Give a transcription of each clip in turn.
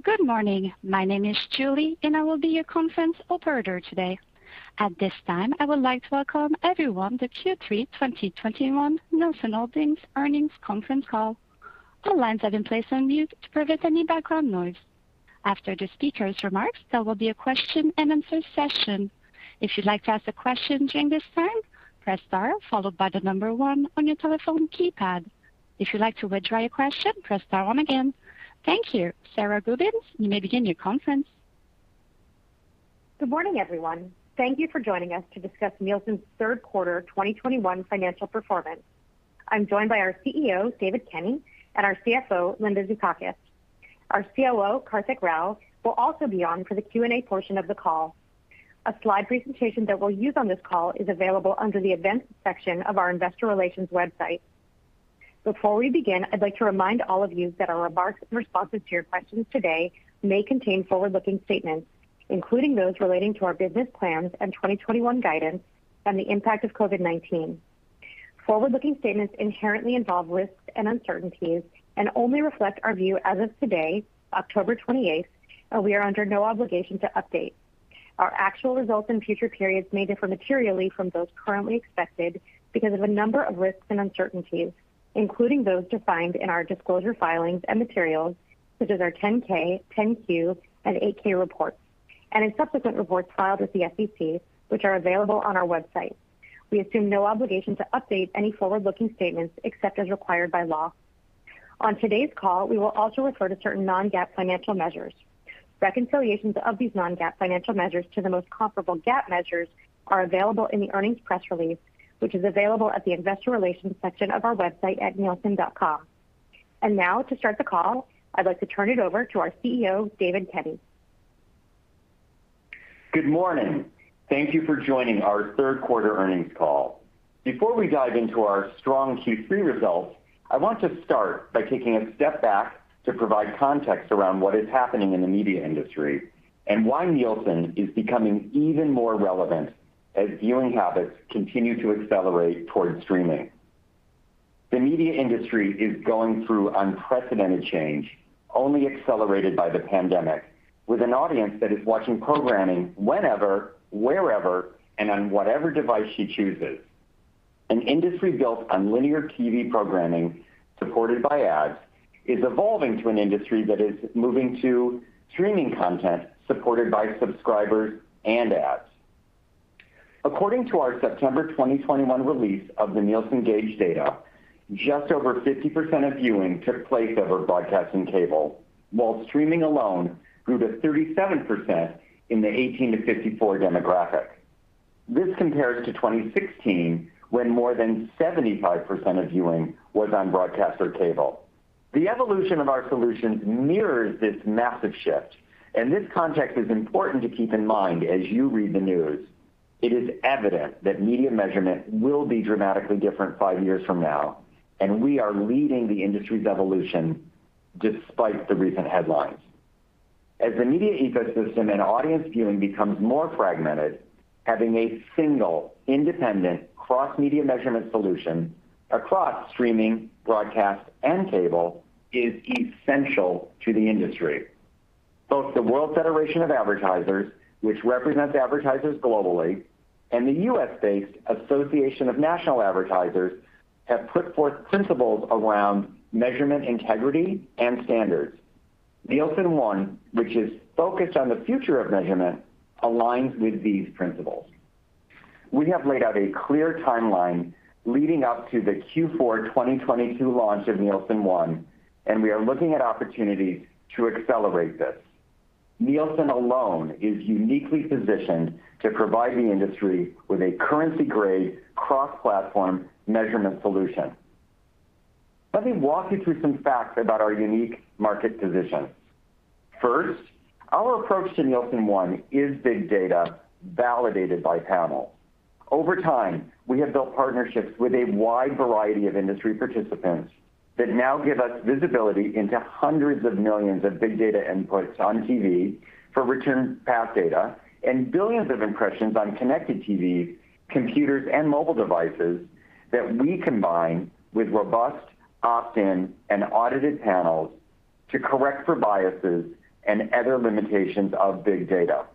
Good morning. My name is Julie, and I will be your conference operator today. At this time, I would like to welcome everyone to Q3 2021 Nielsen Holdings Earnings Conference Call. All lines have been placed on mute to prevent any background noise. After the speaker's remarks, there will be a question-and-answer session. If you'd like to ask a question during this time, press star followed by the number one on your telephone keypad. If you'd like to withdraw your question, press star one again. Thank you. Sara Gubins, you may begin your conference. Good morning, everyone. Thank you for joining us to discuss Nielsen's third quarter 2021 financial performance. I'm joined by our CEO, David Kenny, and our CFO, Linda Zukauckas. Our COO, Karthik Rao, will also be on for the Q&A portion of the call. A slide presentation that we'll use on this call is available under the Events section of our investor relations website. Before we begin, I'd like to remind all of you that our remarks and responses to your questions today may contain forward-looking statements, including those relating to our business plans and 2021 guidance and the impact of COVID-19. Forward-looking statements inherently involve risks and uncertainties and only reflect our view as of today, October 28th, and we are under no obligation to update. Our actual results in future periods may differ materially from those currently expected because of a number of risks and uncertainties, including those defined in our disclosure filings and materials, such as our 10-K, 10-Q, and 8-K reports, and in subsequent reports filed with the SEC, which are available on our website. We assume no obligation to update any forward-looking statements except as required by law. On today's call, we will also refer to certain non-GAAP financial measures. Reconciliations of these non-GAAP financial measures to the most comparable GAAP measures are available in the earnings press release, which is available at the investor relations section of our website at nielsen.com. Now to start the call, I'd like to turn it over to our CEO, David Kenny. Good morning. Thank you for joining our third quarter earnings call. Before we dive into our strong Q3 results, I want to start by taking a step back to provide context around what is happening in the media industry and why Nielsen is becoming even more relevant as viewing habits continue to accelerate towards streaming. The media industry is going through unprecedented change, only accelerated by the pandemic, with an audience that is watching programming whenever, wherever, and on whatever device she chooses. An industry built on linear TV programming supported by ads is evolving to an industry that is moving to streaming content supported by subscribers and ads. According to our September 2021 release of the Nielsen Gauge data, just over 50% of viewing took place over broadcast and cable, while streaming alone grew to 37% in the 18-54 demographic. This compares to 2016 when more than 75% of viewing was on broadcast or cable. The evolution of our solutions mirrors this massive shift, and this context is important to keep in mind as you read the news. It is evident that media measurement will be dramatically different five years from now, and we are leading the industry's evolution despite the recent headlines. As the media ecosystem and audience viewing becomes more fragmented, having a single independent cross-media measurement solution across streaming, broadcast, and cable is essential to the industry. Both the World Federation of Advertisers, which represents advertisers globally, and the U.S.-based Association of National Advertisers have put forth principles around measurement integrity and standards. Nielsen ONE, which is focused on the future of measurement, aligns with these principles. We have laid out a clear timeline leading up to the Q4 2022 launch of Nielsen ONE, and we are looking at opportunities to accelerate this. Nielsen alone is uniquely positioned to provide the industry with a currency-grade cross-platform measurement solution. Let me walk you through some facts about our unique market position. First, our approach to Nielsen ONE is big data validated by panel. Over time, we have built partnerships with a wide variety of industry participants that now give us visibility into hundreds of millions of big data inputs on TV for return path data and billions of impressions on connected TV, computers, and mobile devices that we combine with robust opt-in and audited panels to correct for biases and other limitations of big data.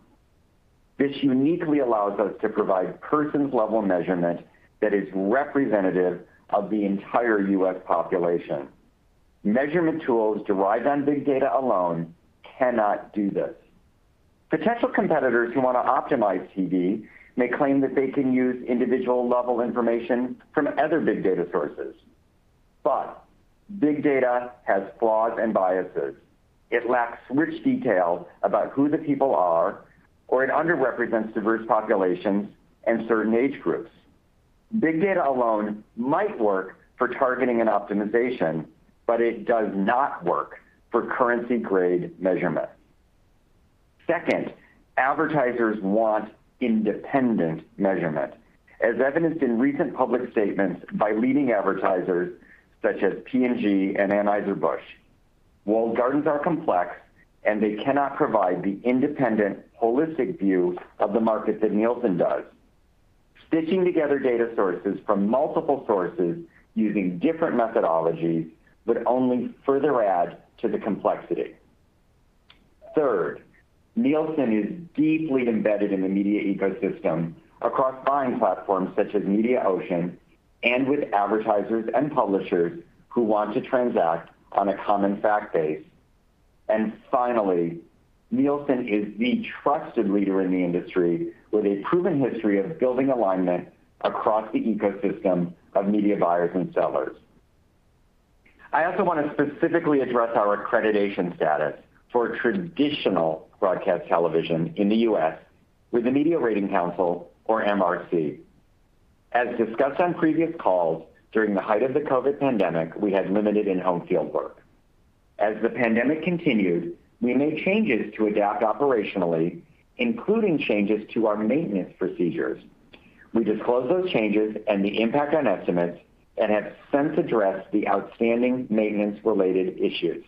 This uniquely allows us to provide persons-level measurement that is representative of the entire U.S. population. Measurement tools derived on big data alone cannot do this. Potential competitors who want to optimize TV may claim that they can use individual-level information from other big data sources, but big data has flaws and biases. It lacks rich detail about who the people are, or it underrepresents diverse populations and certain age groups. Big data alone might work for targeting and optimization, but it does not work for currency-grade measurement. Second, advertisers want independent measurement, as evidenced in recent public statements by leading advertisers such as P&G and Anheuser-Busch. Walled gardens are complex, and they cannot provide the independent, holistic view of the market that Nielsen does. Stitching together data sources from multiple sources using different methodologies would only further add to the complexity. Third, Nielsen is deeply embedded in the media ecosystem across buying platforms such as Mediaocean and with advertisers and publishers who want to transact on a common fact base. Finally, Nielsen is the trusted leader in the industry with a proven history of building alignment across the ecosystem of media buyers and sellers. I also want to specifically address our accreditation status for traditional broadcast television in the U.S. with the Media Rating Council or MRC. As discussed on previous calls, during the height of the COVID pandemic, we had limited in-home field work. As the pandemic continued, we made changes to adapt operationally, including changes to our maintenance procedures. We disclosed those changes and the impact on estimates and have since addressed the outstanding maintenance-related issues.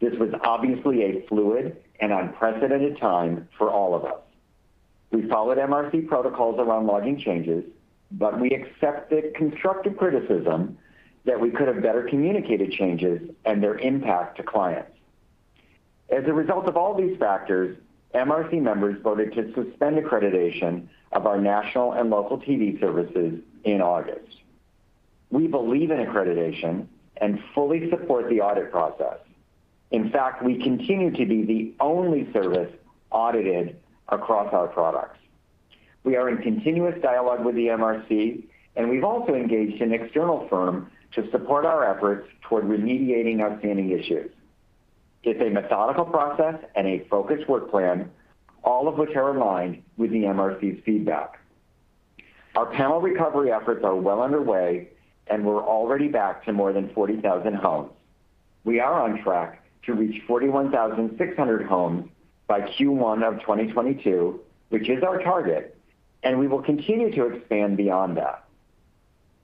This was obviously a fluid and unprecedented time for all of us. We followed MRC protocols around logging changes, but we accepted constructive criticism that we could have better communicated changes and their impact to clients. As a result of all these factors, MRC members voted to suspend accreditation of our national and local TV services in August. We believe in accreditation and fully support the audit process. In fact, we continue to be the only service audited across our products. We are in continuous dialogue with the MRC, and we've also engaged an external firm to support our efforts toward remediating outstanding issues. It's a methodical process and a focused work plan, all of which are aligned with the MRC's feedback. Our panel recovery efforts are well underway, and we're already back to more than 40,000 homes. We are on track to reach 41,600 homes by Q1 of 2022, which is our target, and we will continue to expand beyond that.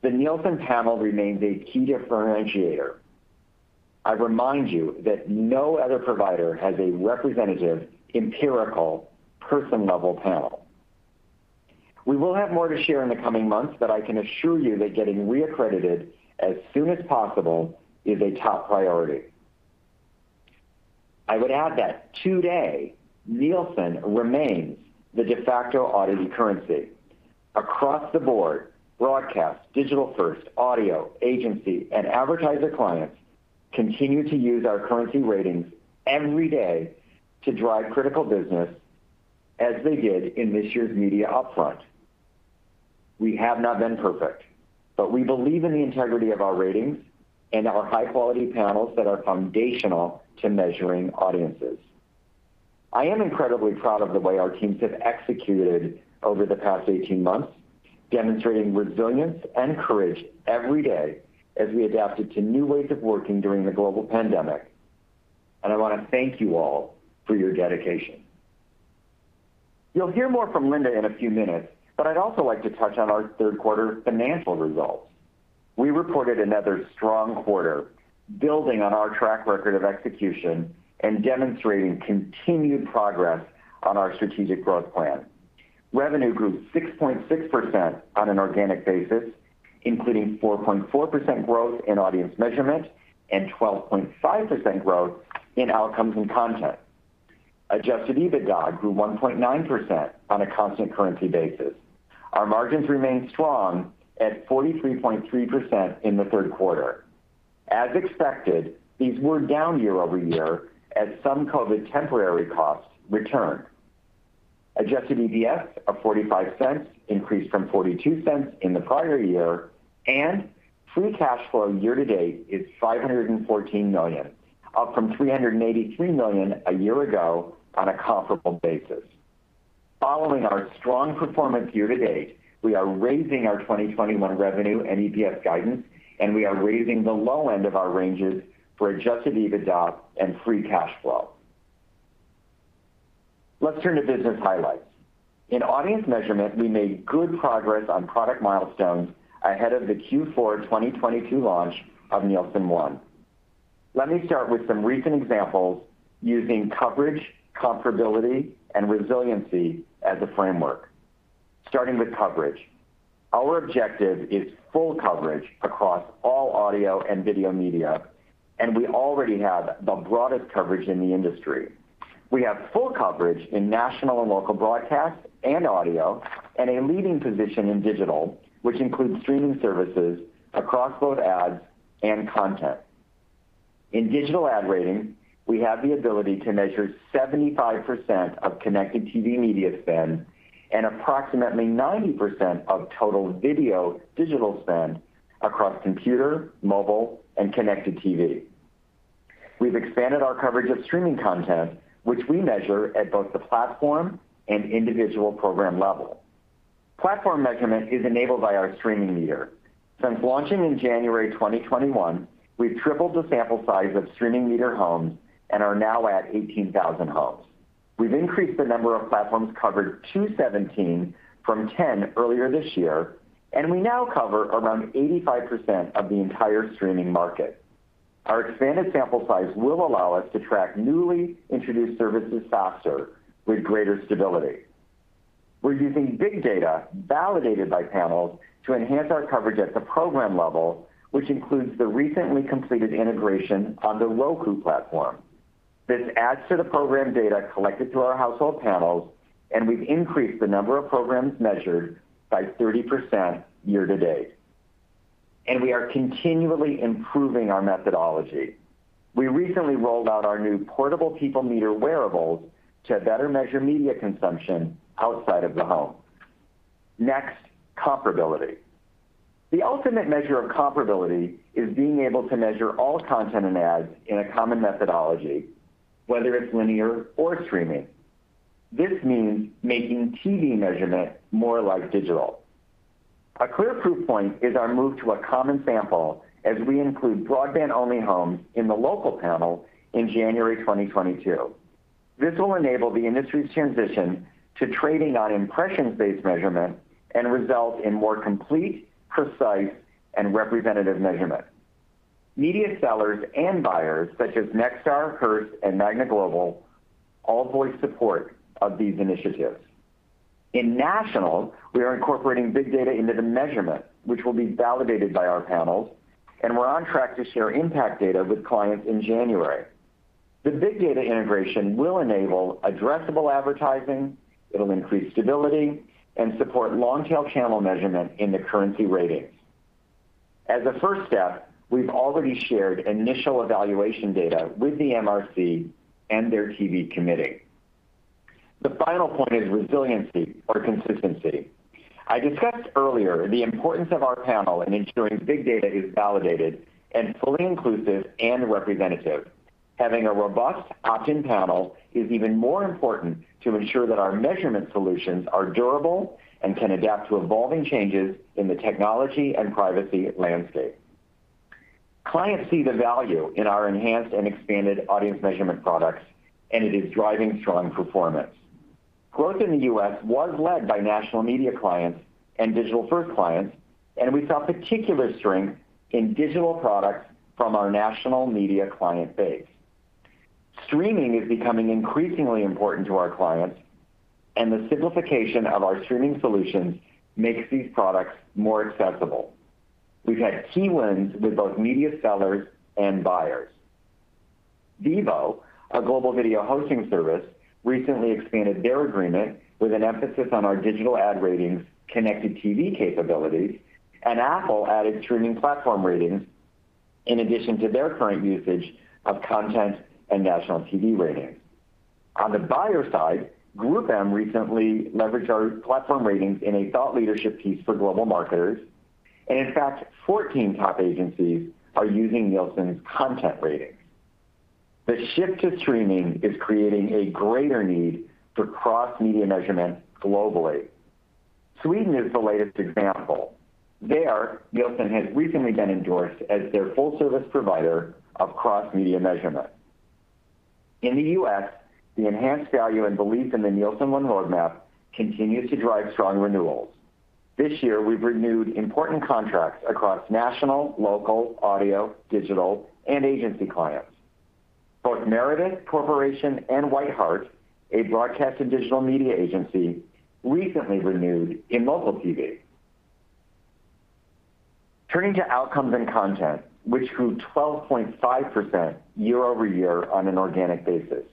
The Nielsen panel remains a key differentiator. I remind you that no other provider has a representative empirical person-level panel. We will have more to share in the coming months, but I can assure you that getting reaccredited as soon as possible is a top priority. I would add that today, Nielsen remains the de facto audit currency. Across the board, broadcast, digital first, audio, agency, and advertiser clients continue to use our currency ratings every day to drive critical business as they did in this year's media upfront. We have not been perfect, but we believe in the integrity of our ratings and our high-quality panels that are foundational to measuring audiences. I am incredibly proud of the way our teams have executed over the past 18 months, demonstrating resilience and courage every day as we adapted to new ways of working during the global pandemic. I want to thank you all for your dedication. You'll hear more from Linda in a few minutes, but I'd also like to touch on our third quarter financial results. We reported another strong quarter building on our track record of execution and demonstrating continued progress on our strategic growth plan. Revenue grew 6.6% on an organic basis, including 4.4% growth in audience measurement and 12.5% growth in outcomes and content. Adjusted EBITDA grew 1.9% on a constant currency basis. Our margins remained strong at 43.3% in the third quarter. As expected, these were down year-over-year as some COVID temporary costs returned. Adjusted EPS of $0.45 increased from $0.42 in the prior year, and free cash flow year-to-date is $514 million, up from $383 million a year ago on a comparable basis. Following our strong performance year-to-date, we are raising our 2021 revenue and EPS guidance, and we are raising the low end of our ranges for adjusted EBITDA and free cash flow. Let's turn to business highlights. In audience measurement, we made good progress on product milestones ahead of the Q4 2022 launch of Nielsen ONE. Let me start with some recent examples using coverage, comparability, and resiliency as a framework. Starting with coverage. Our objective is full coverage across all audio and video media, and we already have the broadest coverage in the industry. We have full coverage in national and local broadcast and audio and a leading position in digital, which includes streaming services across both ads and content. In Digital Ad Ratings, we have the ability to measure 75% of connected TV media spend and approximately 90% of total video digital spend across computer, mobile, and connected TV. We've expanded our coverage of streaming content, which we measure at both the platform and individual program level. Platform measurement is enabled by our Streaming Meter. Since launching in January 2021, we've tripled the sample size of Streaming Meter homes and are now at 18,000 homes. We've increased the number of platforms covered to 17 from 10 earlier this year, and we now cover around 85% of the entire streaming market. Our expanded sample size will allow us to track newly introduced services faster with greater stability. We're using big data validated by panels to enhance our coverage at the program level, which includes the recently completed integration on the Roku platform. This adds to the program data collected through our household panels, and we've increased the number of programs measured by 30% year-to-date. We are continually improving our methodology. We recently rolled out our new Portable People Meter wearables to better measure media consumption outside of the home. Next, comparability. The ultimate measure of comparability is being able to measure all content and ads in a common methodology, whether it's linear or streaming. This means making TV measurement more like digital. A clear proof point is our move to a common sample as we include broadband-only homes in the local panel in January 2022. This will enable the industry's transition to trading on impression-based measurement and result in more complete, precise, and representative measurement. Media sellers and buyers such as Nexstar, Hearst, and MAGNA Global all voice support of these initiatives. In national, we are incorporating big data into the measurement, which will be validated by our panels, and we're on track to share impact data with clients in January. The big data integration will enable addressable advertising, it'll increase stability, and support long-tail channel measurement in the currency ratings. As a first step, we've already shared initial evaluation data with the MRC and their TV committee. The final point is resiliency or consistency. I discussed earlier the importance of our panel in ensuring big data is validated and fully inclusive and representative. Having a robust opt-in panel is even more important to ensure that our measurement solutions are durable and can adapt to evolving changes in the technology and privacy landscape. Clients see the value in our enhanced and expanded audience measurement products, and it is driving strong performance. Growth in the U.S. was led by national media clients and digital-first clients, and we saw particular strength in digital products from our national media client base. Streaming is becoming increasingly important to our clients, and the simplification of our streaming solutions makes these products more accessible. We've had key wins with both media sellers and buyers. Vevo, a global video hosting service, recently expanded their agreement with an emphasis on our Digital Ad Ratings connected TV capabilities, and Apple added streaming platform ratings in addition to their current usage of content and national TV ratings. On the buyer side, GroupM recently leveraged our platform ratings in a thought leadership piece for global marketers. In fact, 14 top agencies are using Nielsen's content ratings. The shift to streaming is creating a greater need for cross-media measurement globally. Sweden is the latest example. There, Nielsen has recently been endorsed as their full-service provider of cross-media measurement. In the U.S., the enhanced value and belief in the Nielsen ONE roadmap continues to drive strong renewals. This year, we've renewed important contracts across national, local, audio, digital, and agency clients. Both Meredith Corporation and Whitehardt, a broadcast and digital media agency, recently renewed in local TV. Turning to outcomes and content, which grew 12.5% year-over-year on an organic basis.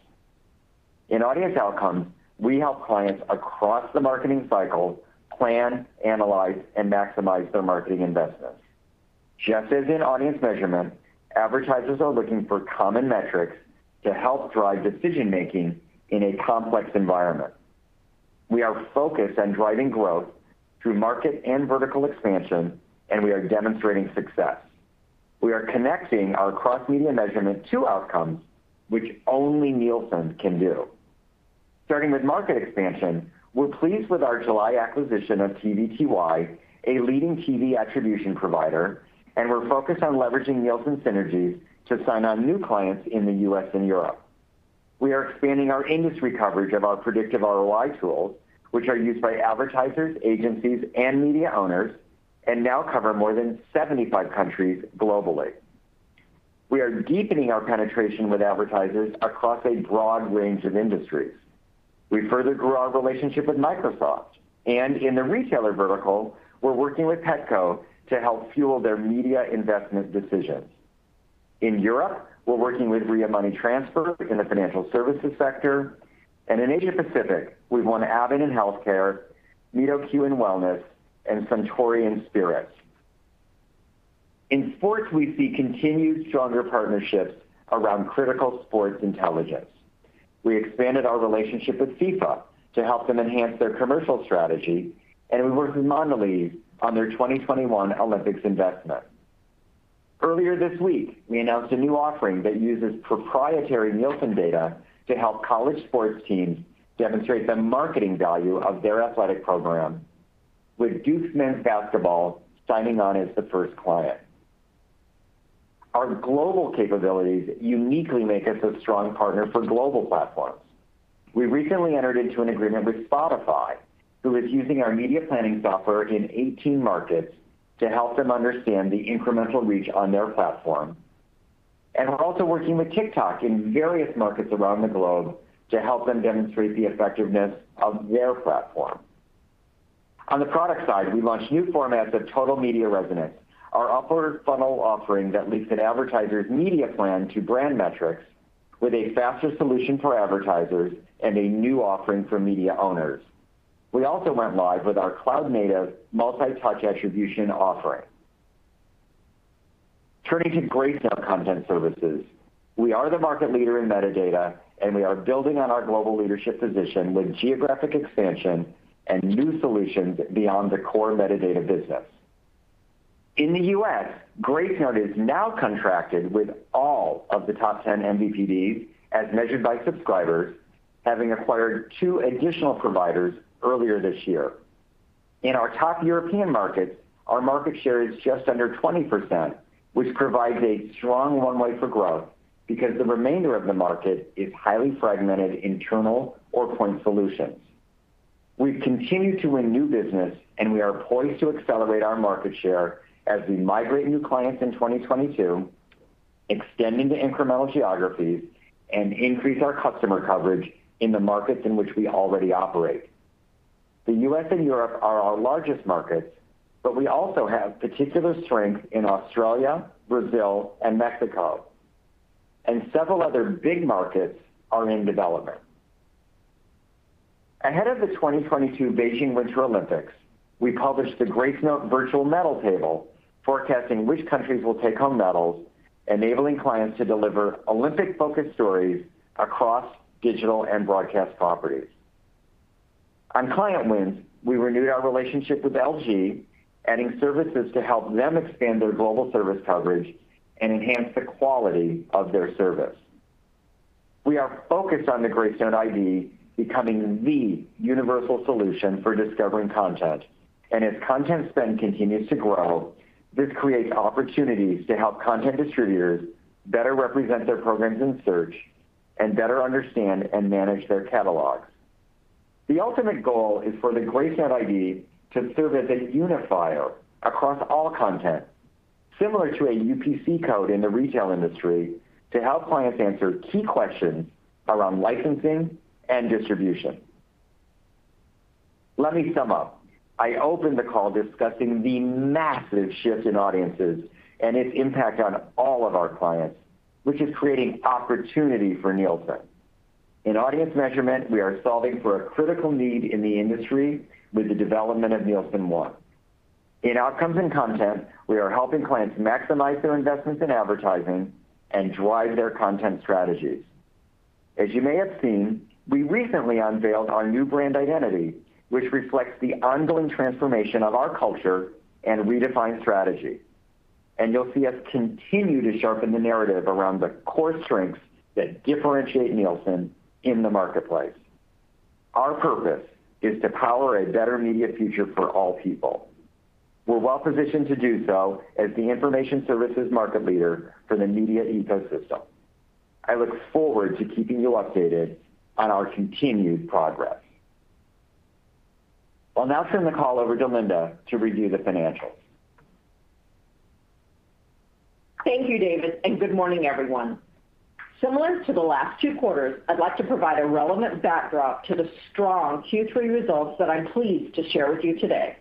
In audience outcomes, we help clients across the marketing cycle plan, analyze, and maximize their marketing investments. Just as in audience measurement, advertisers are looking for common metrics to help drive decision-making in a complex environment. We are focused on driving growth through market and vertical expansion, and we are demonstrating success. We are connecting our cross-media measurement to outcomes which only Nielsen can do. Starting with market expansion, we're pleased with our July acquisition of TVTY, a leading TV attribution provider, and we're focused on leveraging Nielsen synergies to sign on new clients in the U.S. and Europe. We are expanding our industry coverage of our predictive ROI tools, which are used by advertisers, agencies, and media owners, and now cover more than 75 countries globally. We are deepening our penetration with advertisers across a broad range of industries. We further grew our relationship with Microsoft and in the retailer vertical, we're working with Petco to help fuel their media investment decisions. In Europe, we're working with Ria Money Transfer in the financial services sector. In Asia Pacific, we've won Abbott in healthcare, MitoQ in wellness, and Suntory in spirits. In sports, we see continued stronger partnerships around critical sports intelligence. We expanded our relationship with FIFA to help them enhance their commercial strategy, and we worked with Mondelez on their 2021 Olympics investment. Earlier this week, we announced a new offering that uses proprietary Nielsen data to help college sports teams demonstrate the marketing value of their athletic program, with Duke Men's Basketball signing on as the first client. Our global capabilities uniquely make us a strong partner for global platforms. We recently entered into an agreement with Spotify, who is using our media planning software in 18 markets to help them understand the incremental reach on their platform. We're also working with TikTok in various markets around the globe to help them demonstrate the effectiveness of their platform. On the product side, we launched new formats of Total Media Resonance, our upper funnel offering that links an advertiser's media plan to brand metrics with a faster solution for advertisers and a new offering for media owners. We also went live with our cloud-native multi-touch attribution offering. Turning to Gracenote Content Services, we are the market leader in metadata, and we are building on our global leadership position with geographic expansion and new solutions beyond the core metadata business. In the U.S., Gracenote is now contracted with all of the top 10 MVPDs as measured by subscribers, having acquired two additional providers earlier this year. In our top European markets, our market share is just under 20%, which provides a strong runway for growth because the remainder of the market is highly fragmented, internal or point solutions. We continue to win new business, and we are poised to accelerate our market share as we migrate new clients in 2022, extending to incremental geographies and increase our customer coverage in the markets in which we already operate. The U.S. and Europe are our largest markets, but we also have particular strength in Australia, Brazil and Mexico, and several other big markets are in development. Ahead of the 2022 Beijing Winter Olympics, we published the Gracenote Virtual Medal Table forecasting which countries will take home medals, enabling clients to deliver Olympic-focused stories across digital and broadcast properties. On client wins, we renewed our relationship with LG, adding services to help them expand their global service coverage and enhance the quality of their service. We are focused on the Gracenote ID becoming the universal solution for discovering content, and as content spend continues to grow, this creates opportunities to help content distributors better represent their programs in search and better understand and manage their catalogs. The ultimate goal is for the Gracenote ID to serve as a unifier across all content, similar to a UPC code in the retail industry, to help clients answer key questions around licensing and distribution. Let me sum up. I opened the call discussing the massive shift in audiences and its impact on all of our clients, which is creating opportunity for Nielsen. In audience measurement, we are solving for a critical need in the industry with the development of Nielsen ONE. In outcomes and content, we are helping clients maximize their investments in advertising and drive their content strategies. As you may have seen, we recently unveiled our new brand identity, which reflects the ongoing transformation of our culture and redefined strategy, and you'll see us continue to sharpen the narrative around the core strengths that differentiate Nielsen in the marketplace. Our purpose is to power a better media future for all people. We're well-positioned to do so as the information services market leader for the media ecosystem. I look forward to keeping you updated on our continued progress. I'll now turn the call over to Linda to review the financials. Thank you, David, and good morning, everyone. Similar to the last two quarters, I'd like to provide a relevant backdrop to the strong Q3 results that I'm pleased to share with you today.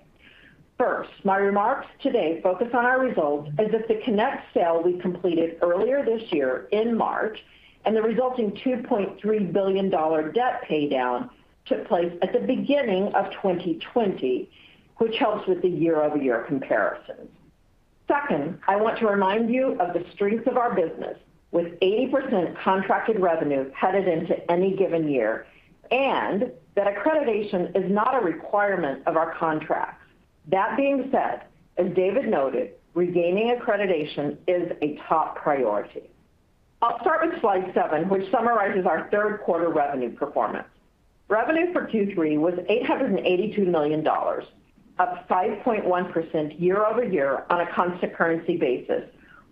First, my remarks today focus on our results as if the Connect sale we completed earlier this year in March and the resulting $2.3 billion debt paydown took place at the beginning of 2020, which helps with the year-over-year comparisons. Second, I want to remind you of the strength of our business with 80% contracted revenue headed into any given year, and that accreditation is not a requirement of our contracts. That being said, as David noted, regaining accreditation is a top priority. I'll start with slide seven, which summarizes our third quarter revenue performance. Revenue for Q3 was $882 million, up 5.1% year-over-year on a constant currency basis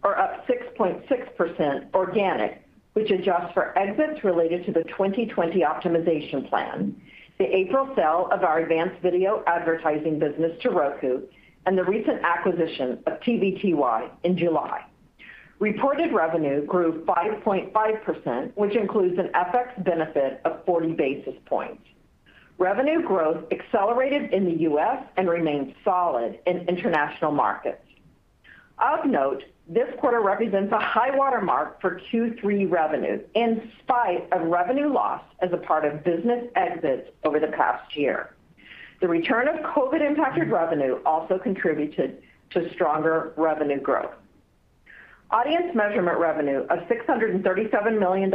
or up 6.6% organic, which adjusts for exits related to the 2020 optimization plan, the April sale of our advanced video advertising business to Roku, and the recent acquisition of TVTY in July. Reported revenue grew 5.5%, which includes an FX benefit of 40 basis points. Revenue growth accelerated in the U.S. and remained solid in international markets. Of note, this quarter represents a high-water mark for Q3 revenue in spite of revenue loss as a part of business exits over the past year. The return of COVID-impacted revenue also contributed to stronger revenue growth. Audience measurement revenue of $637 million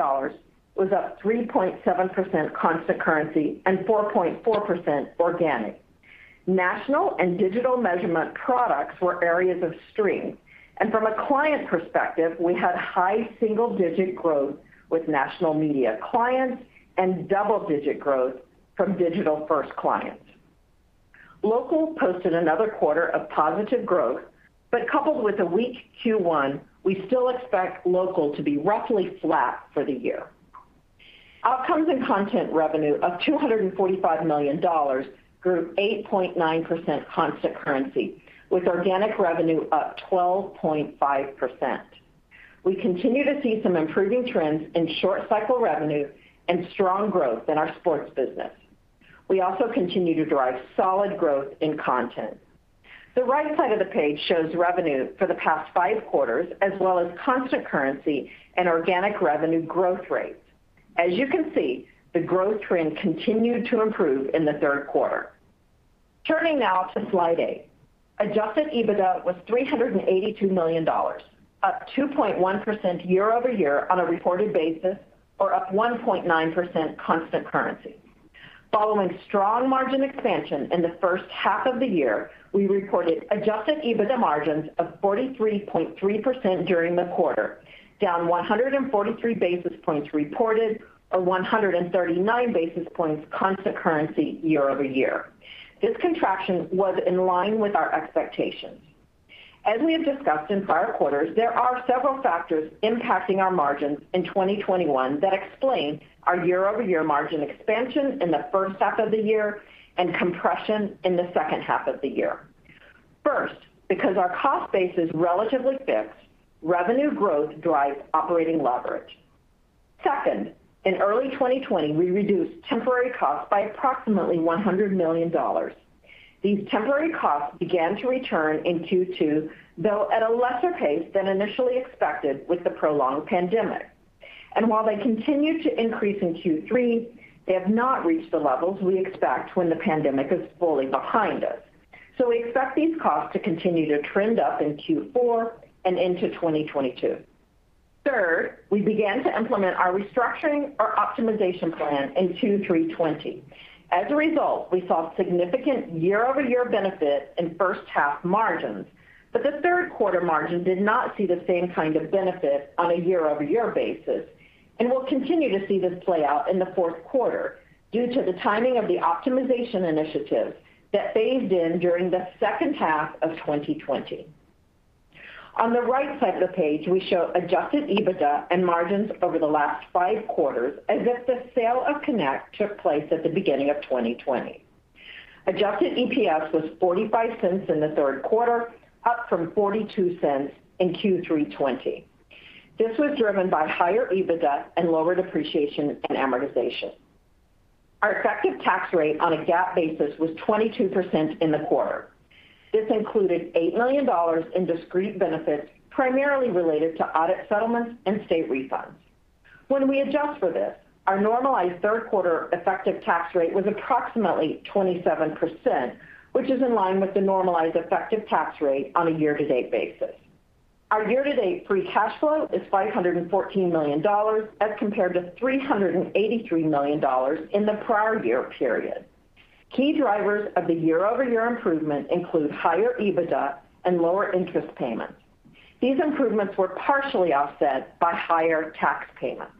was up 3.7% constant currency and 4.4% organic. National and digital measurement products were areas of strength, and from a client perspective, we had high single-digit growth with national media clients and double-digit growth from digital-first clients. Local posted another quarter of positive growth, but coupled with a weak Q1, we still expect local to be roughly flat for the year. Outcomes and content revenue of $245 million grew 8.9% constant currency, with organic revenue up 12.5%. We continue to see some improving trends in short cycle revenue and strong growth in our sports business. We also continue to drive solid growth in content. The right side of the page shows revenue for the past five quarters, as well as constant currency and organic revenue growth rates. As you can see, the growth trend continued to improve in the third quarter. Turning now to slide eight. Adjusted EBITDA was $382 million, up 2.1% year over year on a reported basis, or up 1.9% constant currency. Following strong margin expansion in the first half of the year, we reported adjusted EBITDA margins of 43.3% during the quarter, down 143 basis points reported or 139 basis points constant currency year over year. This contraction was in line with our expectations. As we have discussed in prior quarters, there are several factors impacting our margins in 2021 that explain our year over year margin expansion in the first half of the year and compression in the second half of the year. First, because our cost base is relatively fixed, revenue growth drives operating leverage. Second, in early 2020, we reduced temporary costs by approximately $100 million. These temporary costs began to return in Q2, though at a lesser pace than initially expected with the prolonged pandemic. While they continue to increase in Q3, they have not reached the levels we expect when the pandemic is fully behind us. We expect these costs to continue to trend up in Q4 and into 2022. Third, we began to implement our restructuring or optimization plan in 2020. As a result, we saw significant year-over-year benefit in first-half margins, but the third-quarter margin did not see the same kind of benefit on a year-over-year basis, and we'll continue to see this play out in the fourth quarter due to the timing of the optimization initiative that phased in during the second half of 2020. On the right side of the page, we show adjusted EBITDA and margins over the last five quarters, as if the sale of Connect took place at the beginning of 2020. Adjusted EPS was $0.45 in the third quarter, up from $0.42 in Q3 2020. This was driven by higher EBITDA and lower depreciation and amortization. Our effective tax rate on a GAAP basis was 22% in the quarter. This included $8 million in discrete benefits, primarily related to audit settlements and state refunds. When we adjust for this, our normalized third quarter effective tax rate was approximately 27%, which is in line with the normalized effective tax rate on a year to date basis. Our year to date free cash flow is $514 million as compared to $383 million in the prior year period. Key drivers of the year-over-year improvement include higher EBITDA and lower interest payments. These improvements were partially offset by higher tax payments.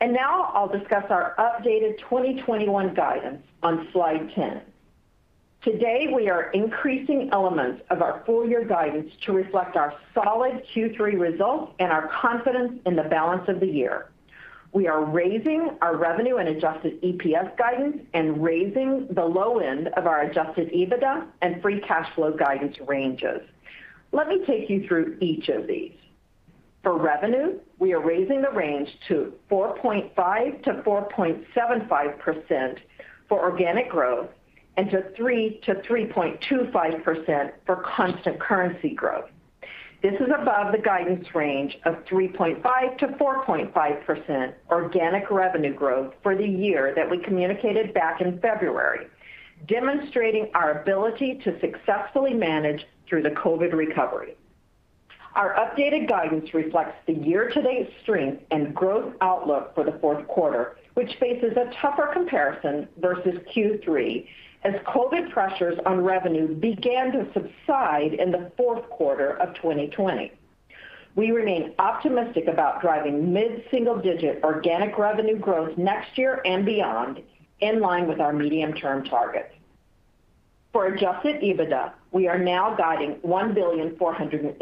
Now I'll discuss our updated 2021 guidance on slide 10. Today, we are increasing elements of our full year guidance to reflect our solid Q3 results and our confidence in the balance of the year. We are raising our revenue and adjusted EPS guidance and raising the low end of our adjusted EBITDA and free cash flow guidance ranges. Let me take you through each of these. For revenue, we are raising the range to 4.5%-4.75% for organic growth and to 3%-3.25% for constant currency growth. This is above the guidance range of 3.5%-4.5% organic revenue growth for the year that we communicated back in February, demonstrating our ability to successfully manage through the COVID recovery. Our updated guidance reflects the year-to-date strength and growth outlook for the fourth quarter, which faces a tougher comparison versus Q3 as COVID pressures on revenue began to subside in the fourth quarter of 2020. We remain optimistic about driving mid-single digit organic revenue growth next year and beyond in line with our medium-term targets. For adjusted EBITDA, we are now guiding $1.48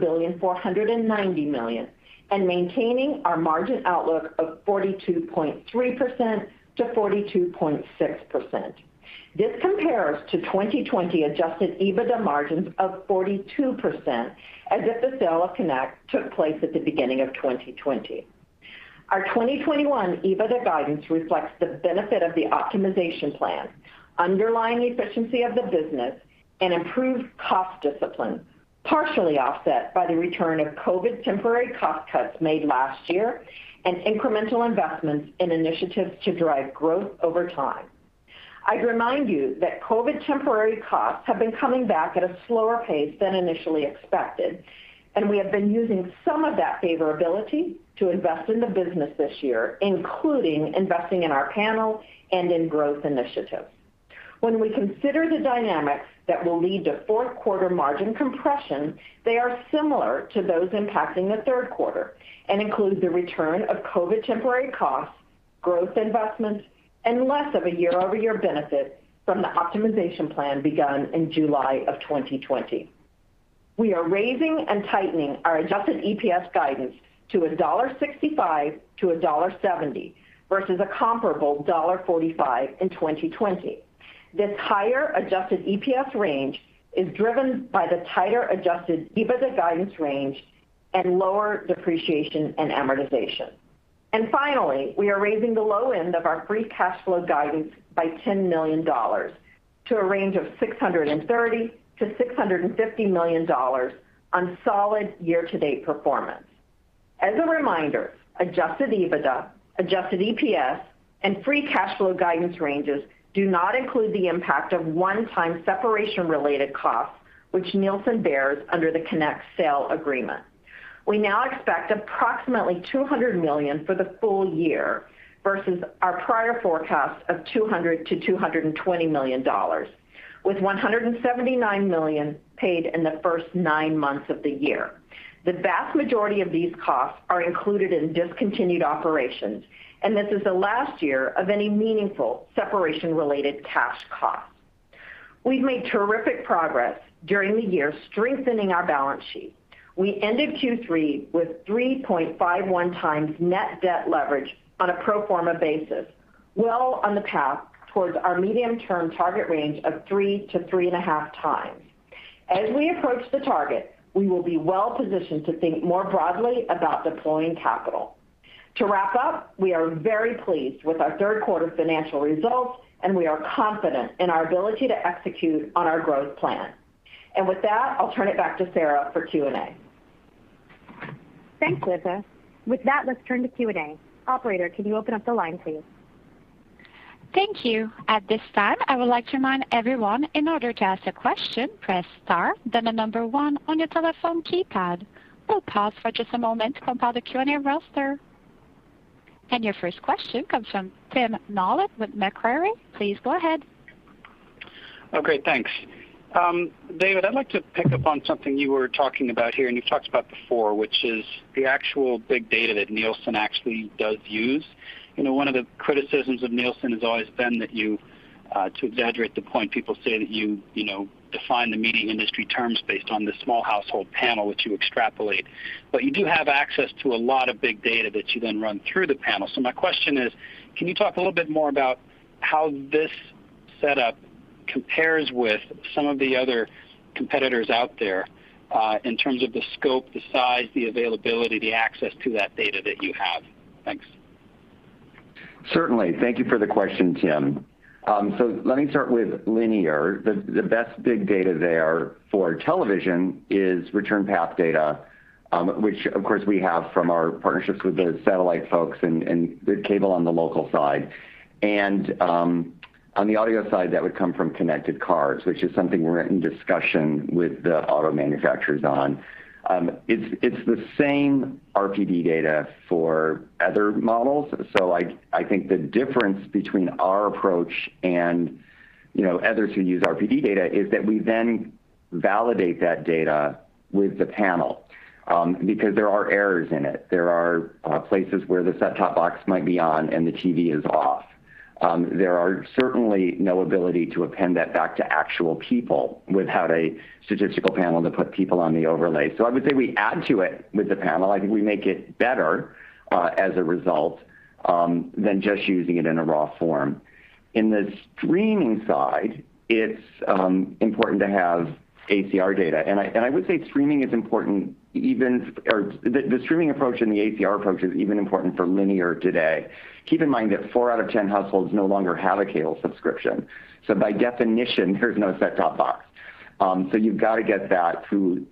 billion-$1.49 billion and maintaining our margin outlook of 42.3%-42.6%. This compares to 2020 adjusted EBITDA margins of 42% as if the sale of Connect took place at the beginning of 2020. Our 2021 EBITDA guidance reflects the benefit of the optimization plan, underlying efficiency of the business and improved cost discipline, partially offset by the return of COVID temporary cost cuts made last year and incremental investments in initiatives to drive growth over time. I'd remind you that COVID temporary costs have been coming back at a slower pace than initially expected, and we have been using some of that favorability to invest in the business this year, including investing in our panel and in growth initiatives. When we consider the dynamics that will lead to fourth quarter margin compression, they are similar to those impacting the third quarter and include the return of COVID temporary costs, growth investments, and less of a year-over-year benefit from the optimization plan begun in July 2020. We are raising and tightening our adjusted EPS guidance to $1.65-$1.70 versus a comparable $1.45 in 2020. This higher adjusted EPS range is driven by the tighter adjusted EBITDA guidance range and lower depreciation and amortization. Finally, we are raising the low end of our free cash flow guidance by $10 million to a range of $630 million-$650 million on solid year-to-date performance. As a reminder, adjusted EBITDA, adjusted EPS, and free cash flow guidance ranges do not include the impact of one-time separation-related costs, which Nielsen bears under the Connect sale agreement. We now expect approximately $200 million for the full year versus our prior forecast of $200 million-$220 million, with $179 million paid in the first nine months of the year. The vast majority of these costs are included in discontinued operations, and this is the last year of any meaningful separation-related cash costs. We've made terrific progress during the year strengthening our balance sheet. We ended Q3 with 3.51x net debt leverage on a pro forma basis, well on the path towards our medium-term target range of 3x-3.5x. As we approach the target, we will be well-positioned to think more broadly about deploying capital. To wrap up, we are very pleased with our third quarter financial results, and we are confident in our ability to execute on our growth plan. With that, I'll turn it back to Sara for Q&A. Thanks, Linda. With that, let's turn to Q&A. Operator, can you open up the line, please? Thank you. At this time, I would like to remind everyone in order to ask a question, press star, then 1 on your telephone keypad. We'll pause for just a moment to compile the Q&A roster. Your first question comes from Tim Nollen with Macquarie. Please go ahead. Oh, great. Thanks. David, I'd like to pick up on something you were talking about here, and you've talked about before, which is the actual big data that Nielsen actually does use. You know, one of the criticisms of Nielsen has always been that you, to exaggerate the point, people say that you know, define the media industry terms based on the small household panel, which you extrapolate. You do have access to a lot of big data that you then run through the panel. My question is, can you talk a little bit more about how this setup compares with some of the other competitors out there, in terms of the scope, the size, the availability, the access to that data that you have? Thanks. Certainly. Thank you for the question, Tim. So let me start with linear. The best big data there for television is return path data, which of course we have from our partnerships with the satellite folks and the cable on the local side. On the audio side, that would come from connected cars, which is something we're in discussion with the auto manufacturers on. It's the same RPD data for other models. I think the difference between our approach and, you know, others who use RPD data is that we then validate that data with the panel, because there are errors in it. There are places where the set-top box might be on and the TV is off. There are certainly no ability to append that back to actual people without a statistical panel to put people on the overlay. I would say we add to it with the panel. I think we make it better as a result than just using it in a raw form. In the streaming side, it's important to have ACR data. And I would say streaming is important or the streaming approach and the ACR approach is even important for linear today. Keep in mind that four out of 10 households no longer have a cable subscription. By definition, there's no set-top box. You've got to get that through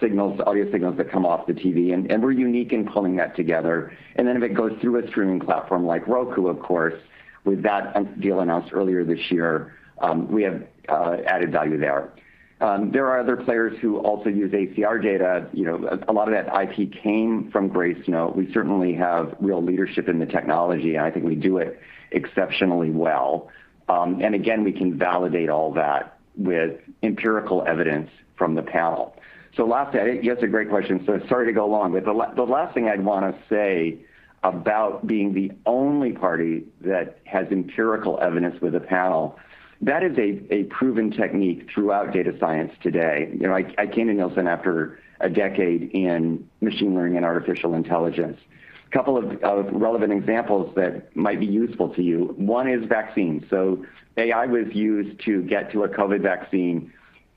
signals, audio signals that come off the TV, and we're unique in pulling that together. Then if it goes through a streaming platform like Roku, of course, with that deal announced earlier this year, we have added value there. There are other players who also use ACR data. You know, a lot of that IP came from Gracenote. We certainly have real leadership in the technology, and I think we do it exceptionally well. And again, we can validate all that with empirical evidence from the panel. Lastly, I think that's a great question. Sorry to go long. The last thing I'd wanna say about being the only party that has empirical evidence with a panel, that is a proven technique throughout data science today. You know, I came to Nielsen after a decade in machine learning and artificial intelligence. Couple of relevant examples that might be useful to you. One is vaccines. AI was used to get to a COVID vaccine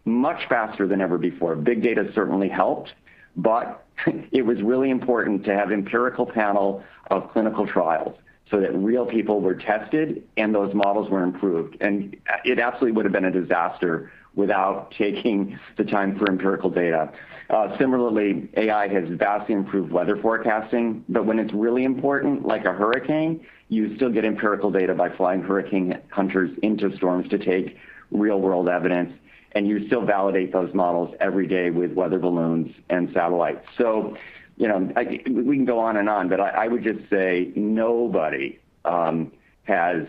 much faster than ever before. Big data certainly helped, but it was really important to have empirical panel of clinical trials so that real people were tested and those models were improved. It absolutely would have been a disaster without taking the time for empirical data. Similarly, AI has vastly improved weather forecasting. When it's really important, like a hurricane, you still get empirical data by flying hurricane hunters into storms to take real-world evidence, and you still validate those models every day with weather balloons and satellites. You know, we can go on and on, but I would just say nobody has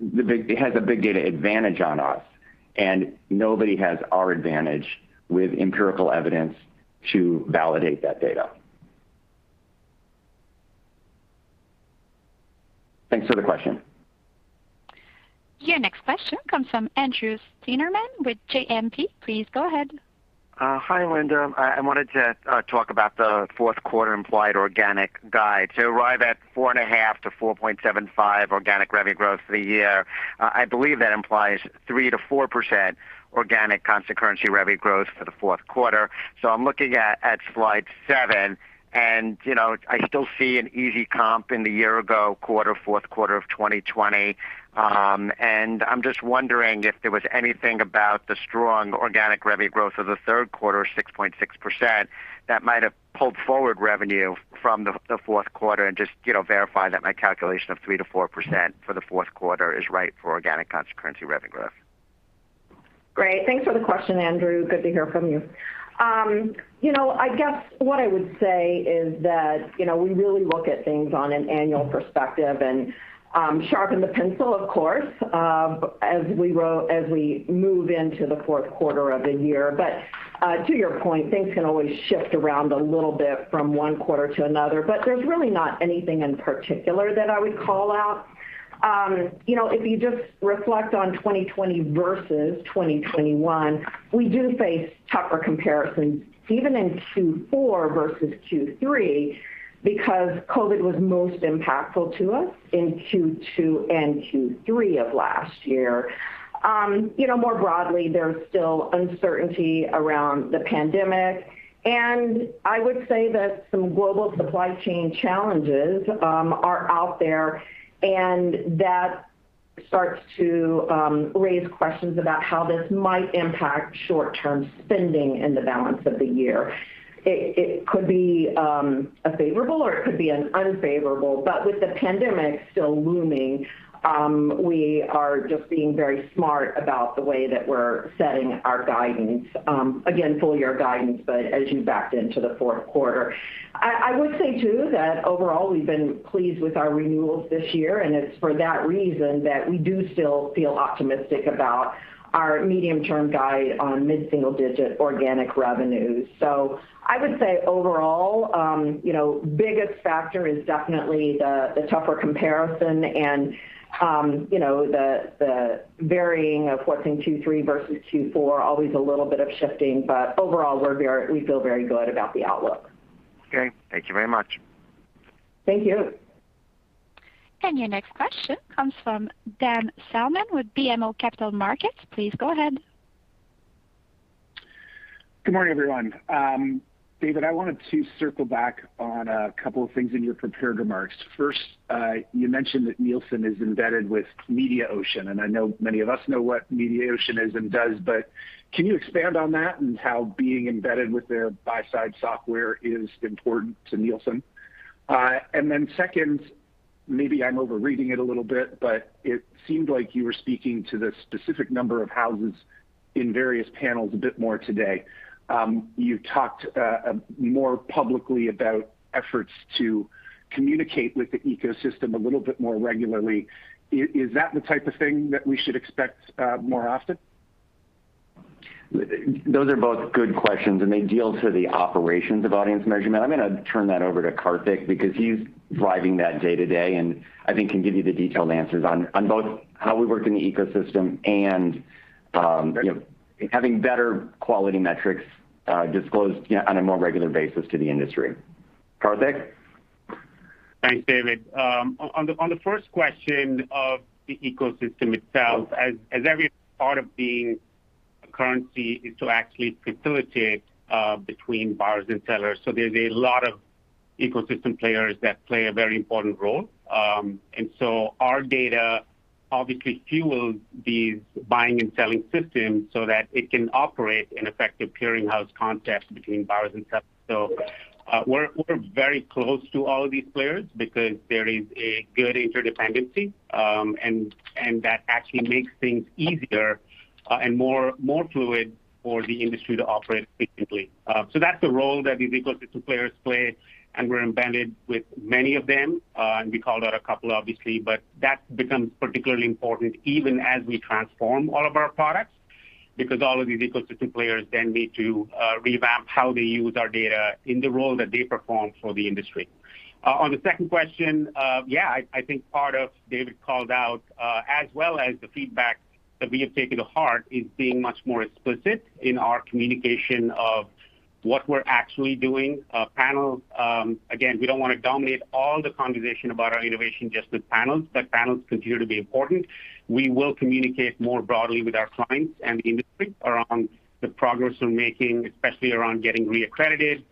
a big data advantage on us, and nobody has our advantage with empirical evidence to validate that data. Thanks for the question. Your next question comes from Andrew Steinerman with JPMorgan. Please go ahead. Hi, Linda. I wanted to talk about the fourth quarter implied organic guide. To arrive at 4.5-4.75 organic revenue growth for the year, I believe that implies 3%-4% organic constant currency revenue growth for the fourth quarter. I'm looking at slide seven and, you know, I still see an easy comp in the year-ago quarter, fourth quarter of 2020. I'm just wondering if there was anything about the strong organic revenue growth of the third quarter, 6.6%, that might have pulled forward revenue from the fourth quarter and just, you know, verify that my calculation of 3%-4% for the fourth quarter is right for organic constant currency revenue growth. Great. Thanks for the question, Andrew. Good to hear from you. You know, I guess what I would say is that, you know, we really look at things on an annual perspective and, sharpen the pencil of course, as we move into the fourth quarter of the year. To your point, things can always shift around a little bit from one quarter to another, but there's really not anything in particular that I would call out. You know, if you just reflect on 2020 versus 2021, we do face tougher comparisons even in Q4 versus Q3 because COVID was most impactful to us in Q2 and Q3 of last year. You know, more broadly, there's still uncertainty around the pandemic, and I would say that some global supply chain challenges are out there, and that starts to raise questions about how this might impact short-term spending in the balance of the year. It could be a favorable or it could be an unfavorable, but with the pandemic still looming, we are just being very smart about the way that we're setting our guidance. Again, full year guidance, but as you backed into the fourth quarter. I would say too that overall we've been pleased with our renewals this year, and it's for that reason that we do still feel optimistic about our medium-term guide on mid-single digit organic revenues. I would say overall, you know, the biggest factor is definitely the tougher comparison and, you know, the varying of what's in Q3 versus Q4, always a little bit of shifting, but overall we feel very good about the outlook. Okay. Thank you very much. Thank you. Your next question comes from Dan Salmon with BMO Capital Markets. Please go ahead. Good morning, everyone. David, I wanted to circle back on a couple of things in your prepared remarks. First, you mentioned that Nielsen is embedded with Mediaocean, and I know many of us know what Mediaocean is and does, but can you expand on that and how being embedded with their buy-side software is important to Nielsen? Second, maybe I'm overreading it a little bit, but it seemed like you were speaking to the specific number of houses in various panels a bit more today. You talked more publicly about efforts to communicate with the ecosystem a little bit more regularly. Is that the type of thing that we should expect more often? Those are both good questions, and they deal with the operations of audience measurement. I'm gonna turn that over to Karthik because he's driving that day-to-day, and I think he can give you the detailed answers on both how we work in the ecosystem and, you know, having better quality metrics disclosed, you know, on a more regular basis to the industry. Karthik. Thanks, David. On the first question of the ecosystem itself, as every part of being a currency is to actually facilitate between buyers and sellers, there's a lot of ecosystem players that play a very important role. Our data obviously fuels these buying and selling systems so that it can operate in effective clearinghouse context between buyers and sellers. We're very close to all of these players because there is a good interdependency, and that actually makes things easier and more fluid for the industry to operate efficiently. That's the role that the ecosystem players play, and we're embedded with many of them. We called out a couple obviously, but that becomes particularly important even as we transform all of our products because all of these ecosystem players then need to revamp how they use our data in the role that they perform for the industry. On the second question, I think part of what David called out, as well as the feedback that we have taken to heart, is being much more explicit in our communication of what we're actually doing. Panel, again, we don't wanna dominate all the conversation about our innovation just with panels, but panels continue to be important. We will communicate more broadly with our clients and the industry around the progress we're making, especially around getting reaccredited.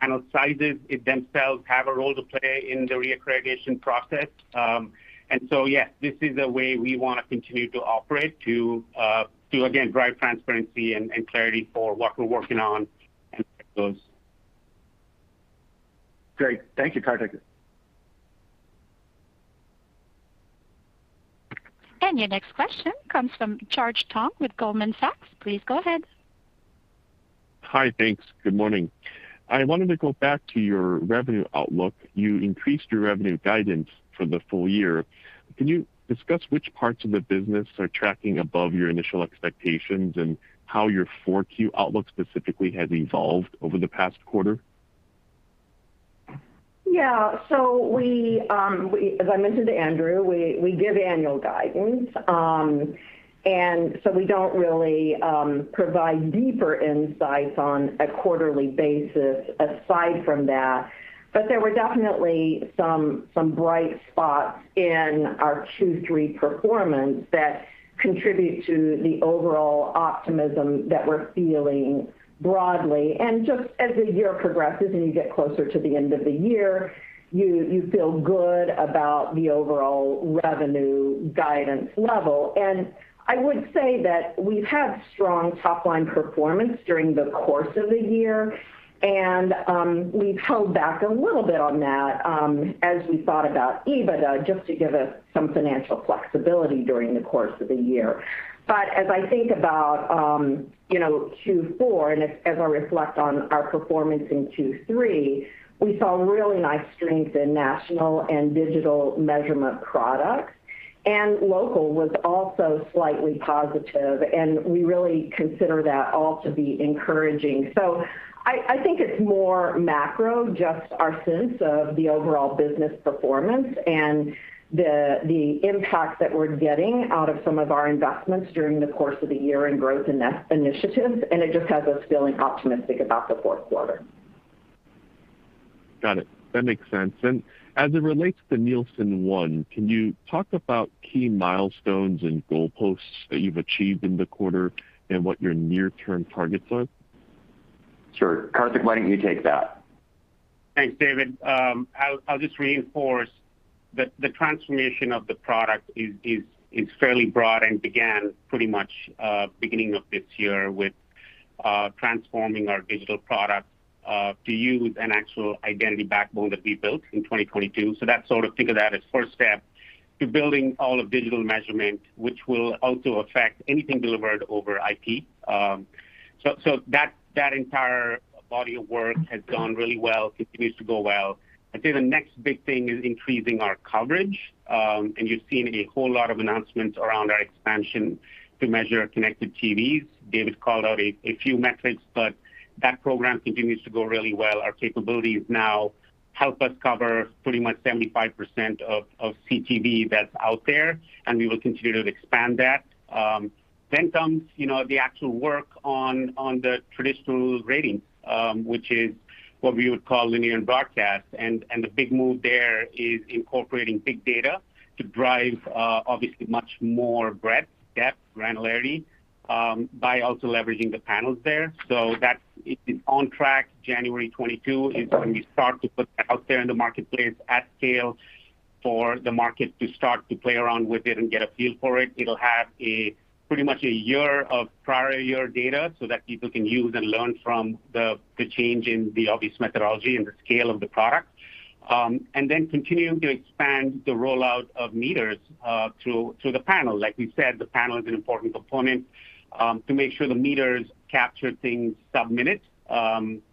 Panel sizes themselves have a role to play in the reaccreditation process. Yes, this is the way we wanna continue to operate to again drive transparency and clarity for what we're working on and those. Great. Thank you, Karthik. Your next question comes from George Tong with Goldman Sachs. Please go ahead. Hi. Thanks. Good morning. I wanted to go back to your revenue outlook. You increased your revenue guidance for the full year. Can you discuss which parts of the business are tracking above your initial expectations and how your 4Q outlook specifically has evolved over the past quarter? As I mentioned to Andrew, we give annual guidance and we don't really provide deeper insights on a quarterly basis aside from that. There were definitely some bright spots in our Q3 performance that contribute to the overall optimism that we're feeling broadly. Just as the year progresses and you get closer to the end of the year, you feel good about the overall revenue guidance level. I would say that we've had strong top-line performance during the course of the year, and we've held back a little bit on that as we thought about EBITDA just to give us some financial flexibility during the course of the year. As I think about, you know, Q4 and as I reflect on our performance in Q3, we saw really nice strength in national and digital measurement products, and local was also slightly positive, and we really consider that all to be encouraging. I think it's more macro, just our sense of the overall business performance and the impact that we're getting out of some of our investments during the course of the year in growth initiatives, and it just has us feeling optimistic about the fourth quarter. Got it. That makes sense. As it relates to Nielsen ONE, can you talk about key milestones and goalposts that you've achieved in the quarter and what your near-term targets are? Sure. Karthik, why don't you take that? Thanks, David. I'll just reinforce that the transformation of the product is fairly broad and began pretty much beginning of this year with transforming our digital product to use an actual identity backbone that we built in 2022. That's sort of think of that as first step to building all of digital measurement, which will also affect anything delivered over IP. That entire body of work has gone really well, continues to go well. I'd say the next big thing is increasing our coverage, and you've seen a whole lot of announcements around our expansion to measure connected TVs. David called out a few metrics, but that program continues to go really well. Our capabilities now help us cover pretty much 75% of CTV that's out there, and we will continue to expand that. Comes, you know, the actual work on the traditional ratings, which is what we would call linear broadcast. The big move there is incorporating big data to drive obviously much more breadth, depth, granularity by also leveraging the panels there. It is on track. January 2022 is when we start to put that out there in the marketplace at scale for the market to start to play around with it and get a feel for it. It'll have pretty much a year of prior year data so that people can use and learn from the change in the obvious methodology and the scale of the product. Continuing to expand the rollout of meters through the panel. Like we said, the panel is an important component to make sure the meters capture things sub-minute,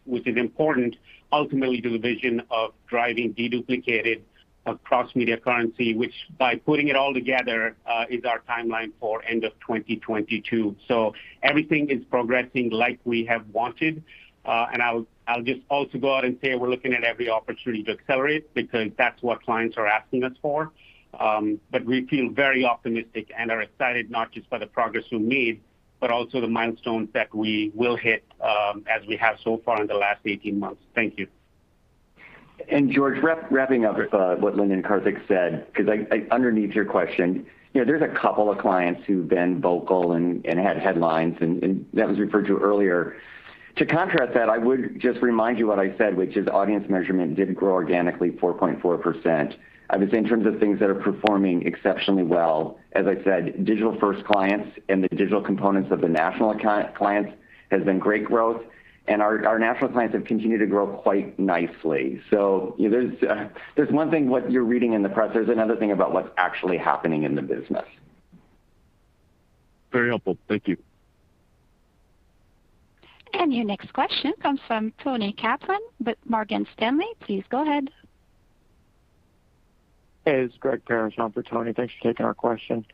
which is important ultimately to the vision of driving deduplicated cross-media currency, which by putting it all together is our timeline for end of 2022. Everything is progressing like we have wanted. I'll just also go out and say we're looking at every opportunity to accelerate because that's what clients are asking us for. We feel very optimistic and are excited not just by the progress we made, but also the milestones that we will hit as we have so far in the last 18 months. Thank you. George, wrapping up what Linda and Karthik said, 'cause underneath your question, you know, there's a couple of clients who've been vocal and had headlines and that was referred to earlier. To contrast that, I would just remind you what I said, which is audience measurement did grow organically 4.4%. I would say in terms of things that are performing exceptionally well, as I said, digital-first clients and the digital components of the national clients has been great growth, and our national clients have continued to grow quite nicely. There's one thing what you're reading in the press, there's another thing about what's actually happening in the business. Very helpful. Thank you. Your next question comes from Toni Kaplan with Morgan Stanley. Please go ahead. It's Greg Parrish, for Tony. Thanks for taking our question.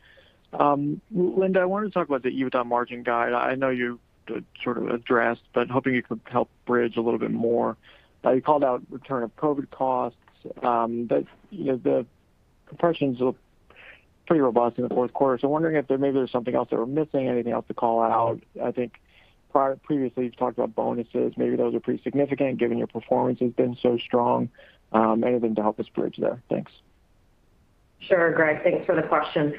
Linda, I wanted to talk about the EBITDA margin guide. I know you sort of addressed, but hoping you could help bridge a little bit more. You called out return of COVID costs, but, you know, the compressions look pretty robust in the fourth quarter. Wondering if there maybe there's something else that we're missing, anything else to call out. I think previously, you've talked about bonuses. Maybe those are pretty significant given your performance has been so strong. Anything to help us bridge there? Thanks. Sure, Greg. Thanks for the question.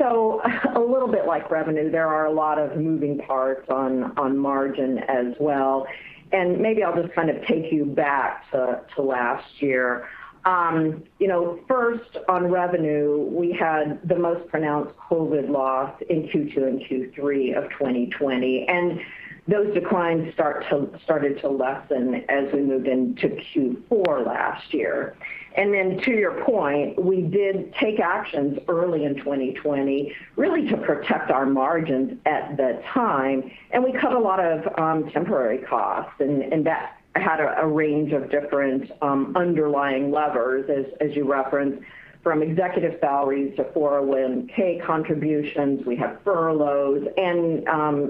A little bit like revenue, there are a lot of moving parts on margin as well. Maybe I'll just kind of take you back to last year. You know, first on revenue, we had the most pronounced COVID loss in Q2 and Q3 of 2020, and those declines started to lessen as we moved into Q4 last year. To your point, we did take actions early in 2020 really to protect our margins at the time, and we cut a lot of temporary costs, and that had a range of different underlying levers, as you referenced, from executive salaries to 401(k) contributions. We had furloughs and,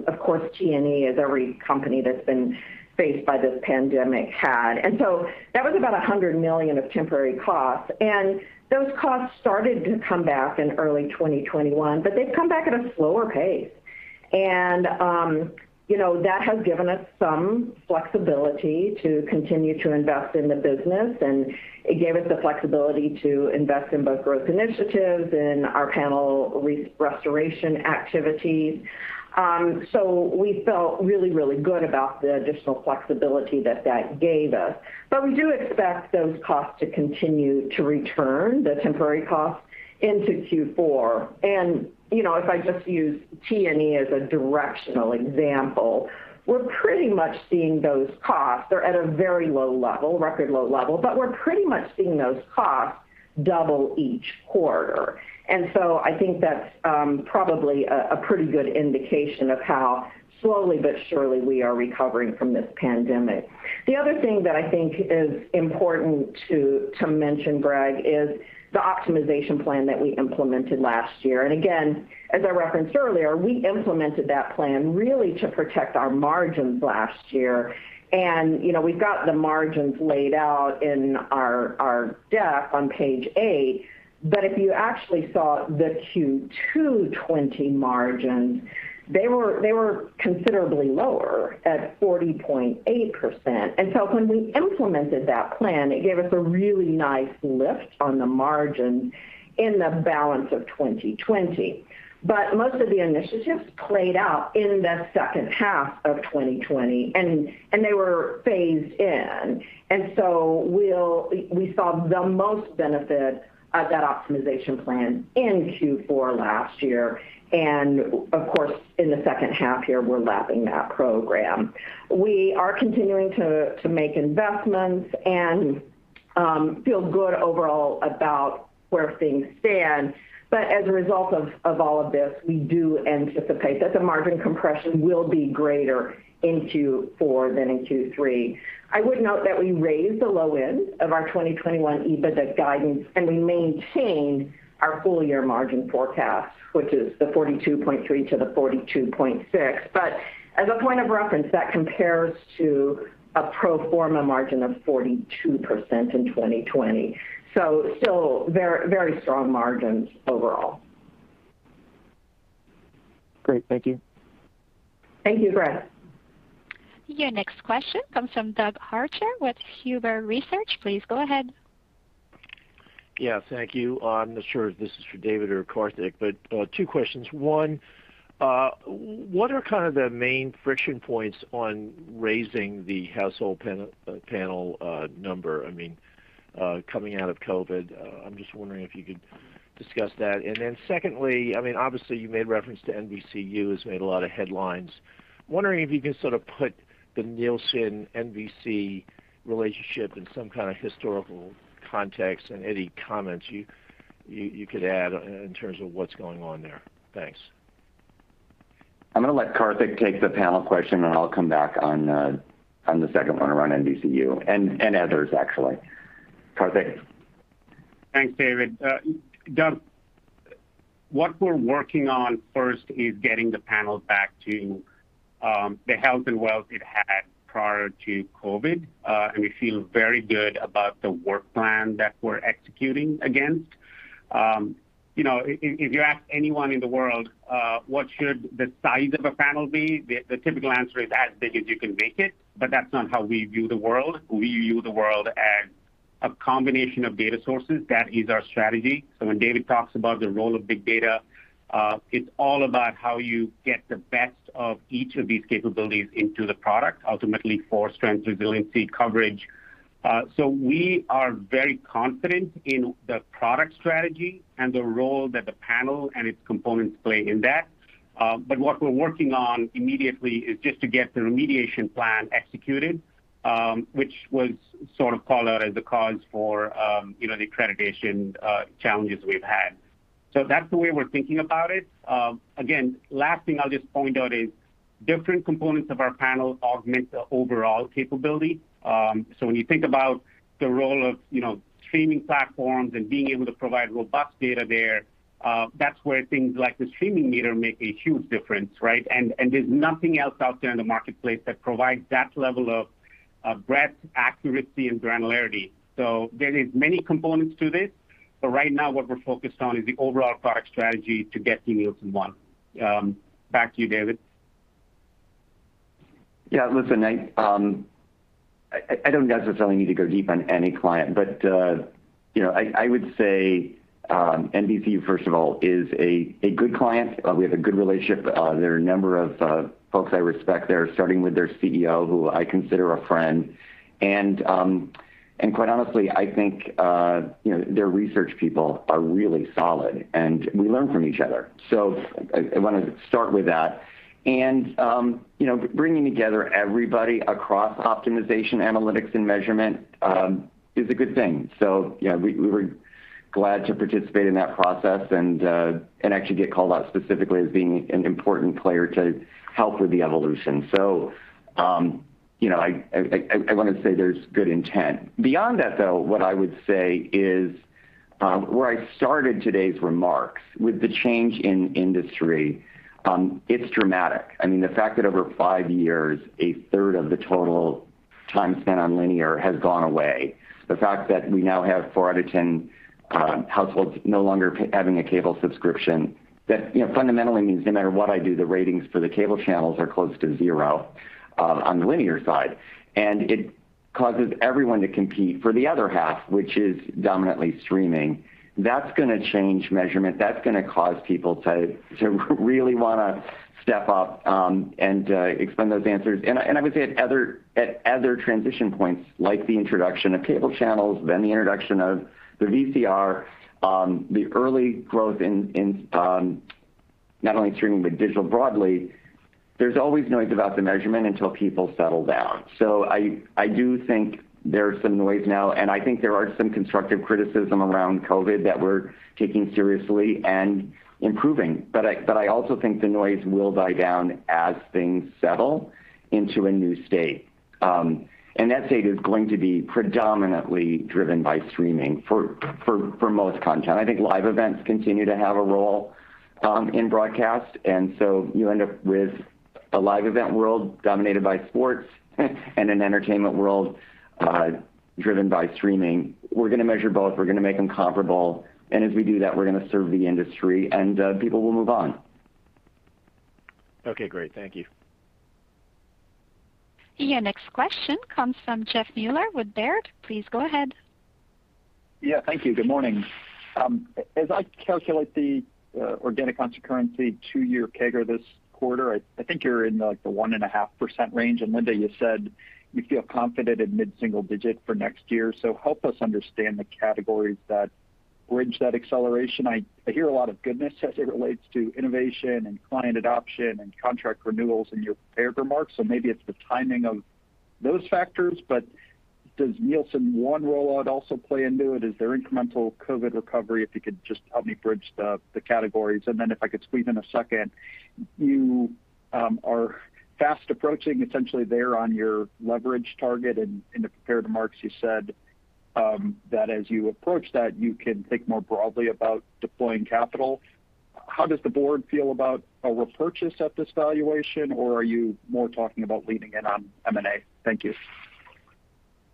of course, T&E as every company that's been faced by this pandemic had. That was about $100 million of temporary costs. Those costs started to come back in early 2021, but they've come back at a slower pace. You know, that has given us some flexibility to continue to invest in the business, and it gave us the flexibility to invest in both growth initiatives and our panel restoration activities. We felt really, really good about the additional flexibility that that gave us. We do expect those costs to continue to return, the temporary costs, into Q4. You know, if I just use T&E as a directional example, we're pretty much seeing those costs. They're at a very low level, record low level, but we're pretty much seeing those costs double each quarter. I think that's probably a pretty good indication of how slowly but surely we are recovering from this pandemic. The other thing that I think is important to mention, Greg, is the optimization plan that we implemented last year. Again, as I referenced earlier, we implemented that plan really to protect our margins last year. You know, we've got the margins laid out in our deck on page eight. If you actually saw the Q2 2020 margins, they were considerably lower at 40.8%. When we implemented that plan, it gave us a really nice lift on the margin in the balance of 2020. Most of the initiatives played out in the second half of 2020, and they were phased in. We saw the most benefit of that optimization plan in Q4 2020. Of course, in the second half here, we're lapping that program. We are continuing to make investments and feel good overall about where things stand. As a result of all of this, we do anticipate that the margin compression will be greater in Q4 than in Q3. I would note that we raised the low end of our 2021 EBITDA guidance, and we maintained our full year margin forecast, which is 42.3%-42.6%. As a point of reference, that compares to a pro forma margin of 42% in 2020. Still very, very strong margins overall. Great. Thank you. Thank you, Greg. Your next question comes from Doug Arthur with Huber Research. Please go ahead. Yeah, thank you. I'm not sure if this is for David or Karthik, but two questions. One, what are kind of the main friction points on raising the household panel number, I mean, coming out of COVID? I'm just wondering if you could discuss that. Then secondly, I mean, obviously you made reference to NBCU has made a lot of headlines. Wondering if you can sort of put the Nielsen NBC relationship in some kind of historical context and any comments you could add in terms of what's going on there. Thanks. I'm gonna let Karthik take the panel question, and I'll come back on the second one around NBCU and others, actually. Karthik. Thanks, David. Doug, what we're working on first is getting the panel back to the health and wealth it had prior to COVID. We feel very good about the work plan that we're executing against. You know, if you ask anyone in the world what should the size of a panel be, the typical answer is as big as you can make it. That's not how we view the world. We view the world as a combination of data sources. That is our strategy. When David talks about the role of big data, it's all about how you get the best of each of these capabilities into the product, ultimately for strength, resiliency, coverage. We are very confident in the product strategy and the role that the panel and its components play in that. What we're working on immediately is just to get the remediation plan executed, which was sort of called out as the cause for, you know, the accreditation challenges we've had. That's the way we're thinking about it. Again, last thing I'll just point out is different components of our panel augment the overall capability. When you think about the role of, you know, streaming platforms and being able to provide robust data there, that's where things like the Streaming Meter make a huge difference, right? And there's nothing else out there in the marketplace that provides that level of breadth, accuracy and granularity. There is many components to this, but right now what we're focused on is the overall product strategy to get to Nielsen ONE. Back to you, David. Yeah, listen, I don't necessarily need to go deep on any client, but you know, I would say NBCU, first of all, is a good client. We have a good relationship. There are a number of folks I respect there, starting with their CEO, who I consider a friend. Quite honestly, I think you know, their research people are really solid, and we learn from each other. I wanna start with that. You know, bringing together everybody across optimization, analytics and measurement is a good thing. You know, we were glad to participate in that process and actually get called out specifically as being an important player to help with the evolution. You know, I wanna say there's good intent. Beyond that, though, what I would say is, where I started today's remarks with the change in industry, it's dramatic. I mean, the fact that over five years, a third of the total time spent on linear has gone away. The fact that we now have 4 out of 10 households no longer having a cable subscription, that, you know, fundamentally means no matter what I do, the ratings for the cable channels are close to zero on the linear side. It causes everyone to compete for the other half, which is dominantly streaming. That's gonna change measurement. That's gonna cause people to really wanna step up and extend those answers. I would say at other transition points, like the introduction of cable channels, then the introduction of the VCR, the early growth in not only streaming but digital broadly. There's always noise about the measurement until people settle down. I do think there's some noise now, and I think there are some constructive criticism around COVID that we're taking seriously and improving. I also think the noise will die down as things settle into a new state. That state is going to be predominantly driven by streaming for most content. I think live events continue to have a role in broadcast, and so you end up with a live event world dominated by sports and an entertainment world driven by streaming. We're gonna measure both. We're gonna make them comparable, and as we do that, we're gonna serve the industry, and people will move on. Okay, great. Thank you. Your next question comes from Jeff Meuler with Baird. Please go ahead. Yeah, thank you. Good morning. As I calculate the organic concurrency two-year CAGR this quarter, I think you're in, like, the 1.5% range. Linda, you said you feel confident in mid-single-digit for next year. Help us understand the categories that bridge that acceleration. I hear a lot of goodness as it relates to innovation and client adoption and contract renewals in your prepared remarks, so maybe it's the timing of those factors. Does Nielsen ONE rollout also play into it? Is there incremental COVID recovery? If you could just help me bridge the categories. Then if I could squeeze in a second, you are fast approaching essentially there on your leverage target. In the prepared remarks, you said that as you approach that, you can think more broadly about deploying capital. How does the board feel about a repurchase at this valuation, or are you more talking about leaning in on M&A? Thank you.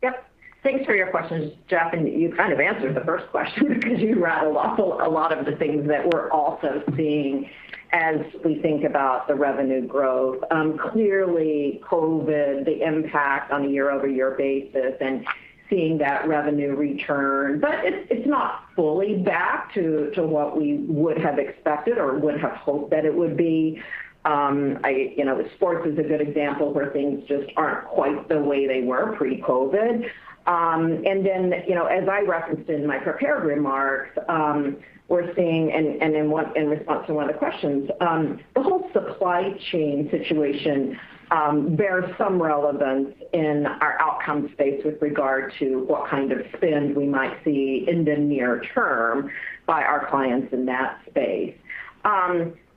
Yep. Thanks for your questions, Jeff. You kind of answered the first question because you rattled off a lot of the things that we're also seeing as we think about the revenue growth. Clearly COVID, the impact on a year-over-year basis and seeing that revenue return. It's not fully back to what we would have expected or would have hoped that it would be. You know, sports is a good example where things just aren't quite the way they were pre-COVID. And then, you know, as I referenced in my prepared remarks, we're seeing and in response to one of the questions, the whole supply chain situation bears some relevance in our outcome space with regard to what kind of spend we might see in the near term by our clients in that space.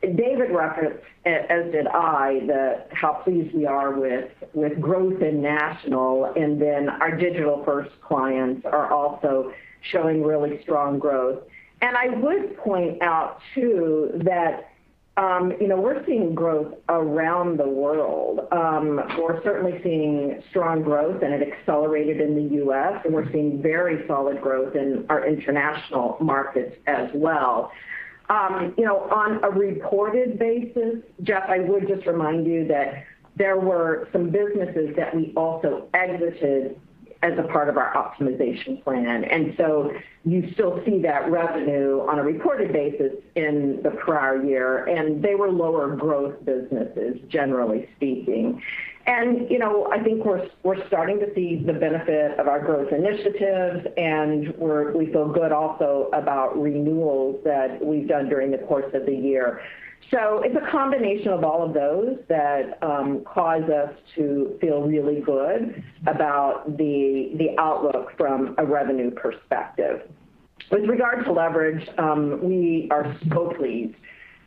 David referenced, as did I, how pleased we are with growth in national, and then our digital-first clients are also showing really strong growth. I would point out too that, you know, we're seeing growth around the world. We're certainly seeing strong growth, and it accelerated in the U.S., and we're seeing very solid growth in our international markets as well. You know, on a reported basis, Jeff, I would just remind you that there were some businesses that we also exited as a part of our optimization plan. So you still see that revenue on a reported basis in the prior year, and they were lower growth businesses, generally speaking. You know, I think we're starting to see the benefit of our growth initiatives, and we feel good also about renewals that we've done during the course of the year. It's a combination of all of those that cause us to feel really good about the outlook from a revenue perspective. With regard to leverage, we are so pleased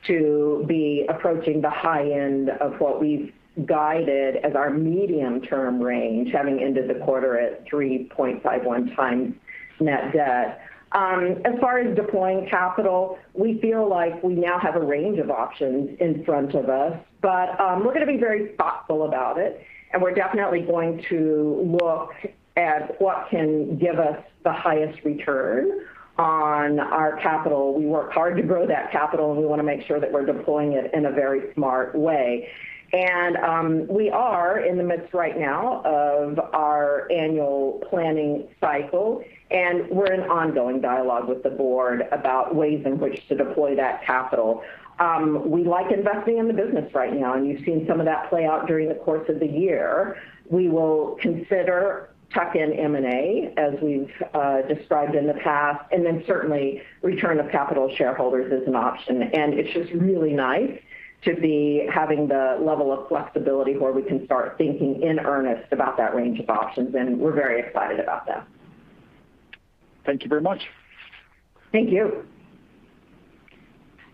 to be approaching the high end of what we've guided as our medium-term range, having ended the quarter at 3.51x net debt. As far as deploying capital, we feel like we now have a range of options in front of us. We're gonna be very thoughtful about it, and we're definitely going to look at what can give us the highest return on our capital. We work hard to grow that capital, and we wanna make sure that we're deploying it in a very smart way. We are in the midst right now of our annual planning cycle, and we're in ongoing dialogue with the board about ways in which to deploy that capital. We like investing in the business right now, and you've seen some of that play out during the course of the year. We will consider tuck-in M&A, as we've described in the past, and then certainly return of capital to shareholders is an option. It's just really nice to be having the level of flexibility where we can start thinking in earnest about that range of options, and we're very excited about that. Thank you very much. Thank you.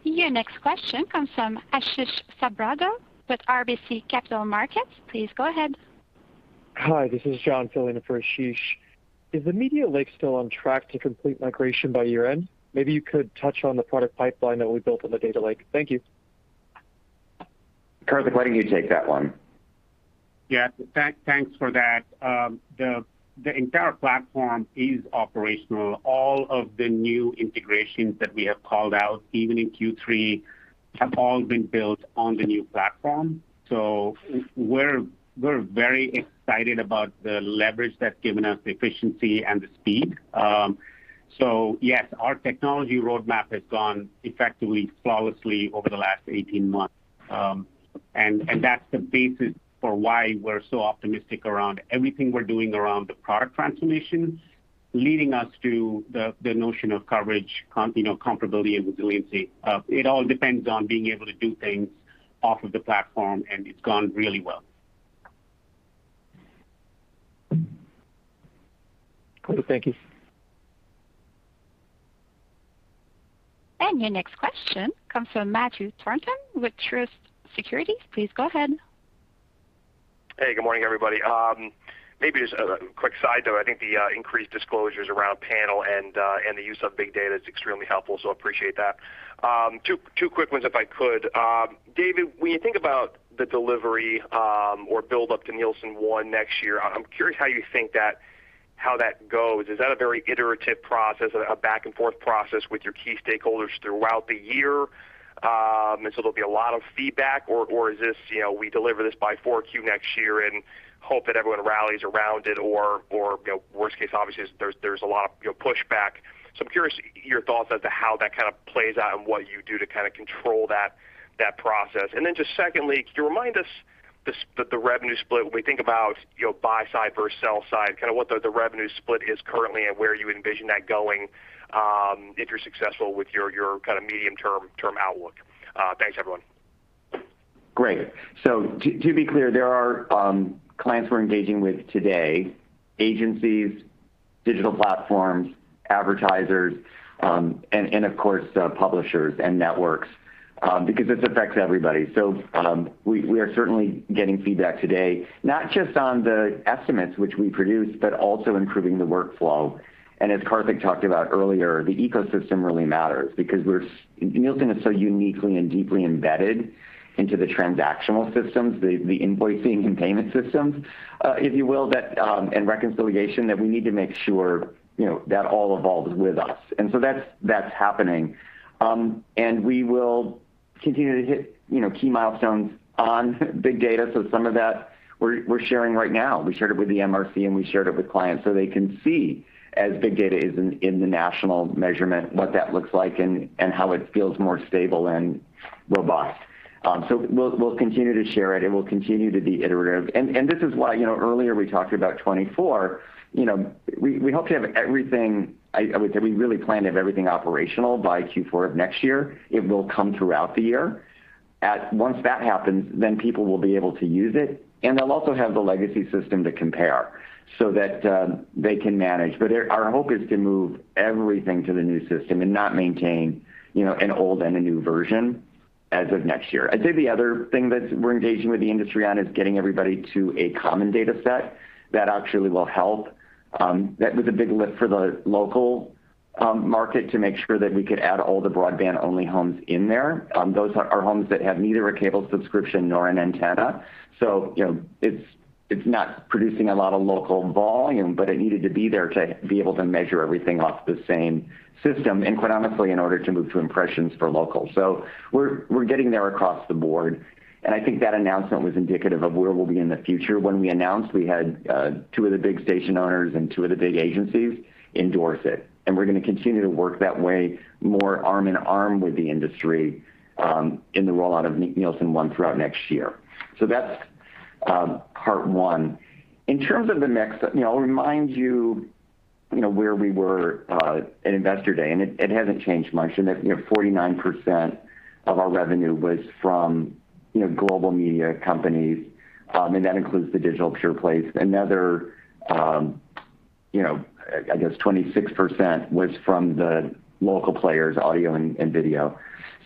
Your next question comes from Ashish Sabadra with RBC Capital Markets. Please go ahead. Hi, this is John filling in for Ashish. Is the Media Lake still on track to complete migration by year-end? Maybe you could touch on the product pipeline that we built on the Data Lake. Thank you. Karthik why don't you take that one? Yeah. Thanks for that. The entire platform is operational. All of the new integrations that we have called out, even in Q3, have all been built on the new platform. We're very excited about the leverage that's given us, the efficiency and the speed. Yes, our technology roadmap has gone effectively flawlessly over the last 18 months. That's the basis for why we're so optimistic around everything we're doing around the product transformation, leading us to the notion of coverage, you know, comparability and resiliency. It all depends on being able to do things off of the platform, and it's gone really well. Cool. Thank you. Your next question comes from Matthew Thornton with Truist Securities. Please go ahead. Hey, good morning, everybody. Maybe just a quick side note. I think the increased disclosures around panel and the use of big data is extremely helpful, so appreciate that. Two quick ones if I could. David, when you think about the delivery or build-up to Nielsen ONE next year, I'm curious how you think that goes. Is that a very iterative process, a back-and-forth process with your key stakeholders throughout the year, and so there'll be a lot of feedback? Or is this, you know, we deliver this by Q4 next year and hope that everyone rallies around it? Or you know worst case obviously is there's a lot of you know pushback. I'm curious your thoughts as to how that kind of plays out and what you do to kind of control that process. Just secondly, could you remind us the revenue split when we think about, you know, buy side versus sell side, kind of what the revenue split is currently and where you envision that going, if you're successful with your medium-term outlook? Thanks, everyone. Great. To be clear, there are clients we're engaging with today, agencies, digital platforms, advertisers, and of course, publishers and networks, because this affects everybody. We are certainly getting feedback today, not just on the estimates which we produce, but also improving the workflow. As Karthik talked about earlier, the ecosystem really matters because Nielsen is so uniquely and deeply embedded into the transactional systems, the invoicing and payment systems, if you will, and reconciliation, that we need to make sure that all evolves with us. That's happening. We will continue to hit key milestones on big data, so some of that we're sharing right now. We shared it with the MRC, and we shared it with clients so they can see as big data is in the national measurement, what that looks like and how it feels more stable and robust. We'll continue to share it, and we'll continue to be iterative. This is why, you know, earlier we talked about 2024. You know, we hope to have everything. I would say we really plan to have everything operational by Q4 of next year. It will come throughout the year. Once that happens, then people will be able to use it, and they'll also have the legacy system to compare so that they can manage. Our hope is to move everything to the new system and not maintain, you know, an old and a new version as of next year. I'd say the other thing that we're engaging with the industry on is getting everybody to a common data set that actually will help. That was a big lift for the local market to make sure that we could add all the broadband-only homes in there. Those are homes that have neither a cable subscription nor an antenna. You know, it's not producing a lot of local volume, but it needed to be there to be able to measure everything off the same system and quite honestly, in order to move to impressions for local. We're getting there across the board, and I think that announcement was indicative of where we'll be in the future. When we announced, we had two of the big station owners and two of the big agencies endorse it, and we're gonna continue to work that way more arm in arm with the industry in the rollout of Nielsen ONE throughout next year. That's part one. In terms of the mix, you know, I'll remind you know, where we were at Investor Day, and it hasn't changed much, in that, you know, 49% of our revenue was from, you know, global media companies, and that includes the digital pure plays. Another, you know, I guess 26% was from the local players, audio and video.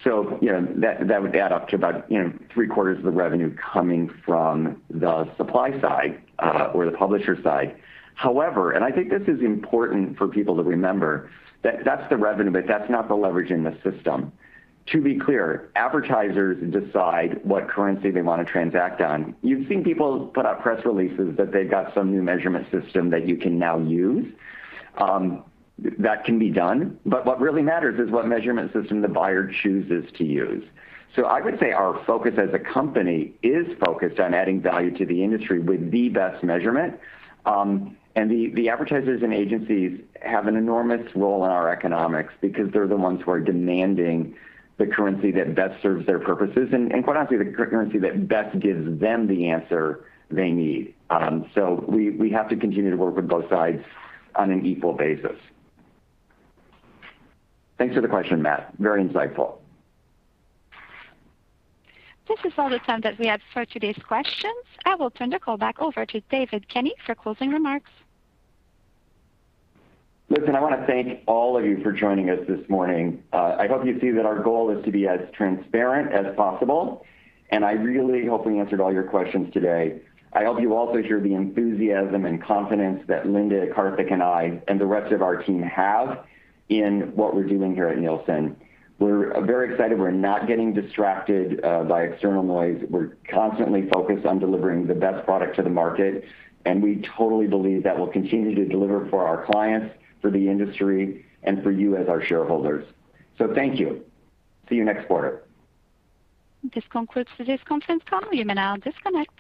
You know, that would add up to about, you know, three-quarters of the revenue coming from the supply side or the publisher side. However, I think this is important for people to remember, that that's the revenue, but that's not the leverage in the system. To be clear, advertisers decide what currency they wanna transact on. You've seen people put out press releases that they've got some new measurement system that you can now use. That can be done, but what really matters is what measurement system the buyer chooses to use. I would say our focus as a company is focused on adding value to the industry with the best measurement. The advertisers and agencies have an enormous role in our economics because they're the ones who are demanding the currency that best serves their purposes and, quite honestly, the currency that best gives them the answer they need. We have to continue to work with both sides on an equal basis. Thanks for the question, Matt. Very insightful. This is all the time that we have for today's questions. I will turn the call back over to David Kenny for closing remarks. Listen, I wanna thank all of you for joining us this morning. I hope you see that our goal is to be as transparent as possible, and I really hope we answered all your questions today. I hope you also hear the enthusiasm and confidence that Linda, Karthik, and I, and the rest of our team have in what we're doing here at Nielsen. We're very excited. We're not getting distracted by external noise. We're constantly focused on delivering the best product to the market, and we totally believe that we'll continue to deliver for our clients, for the industry, and for you as our shareholders. Thank you. See you next quarter. This concludes today's conference call. You may now disconnect.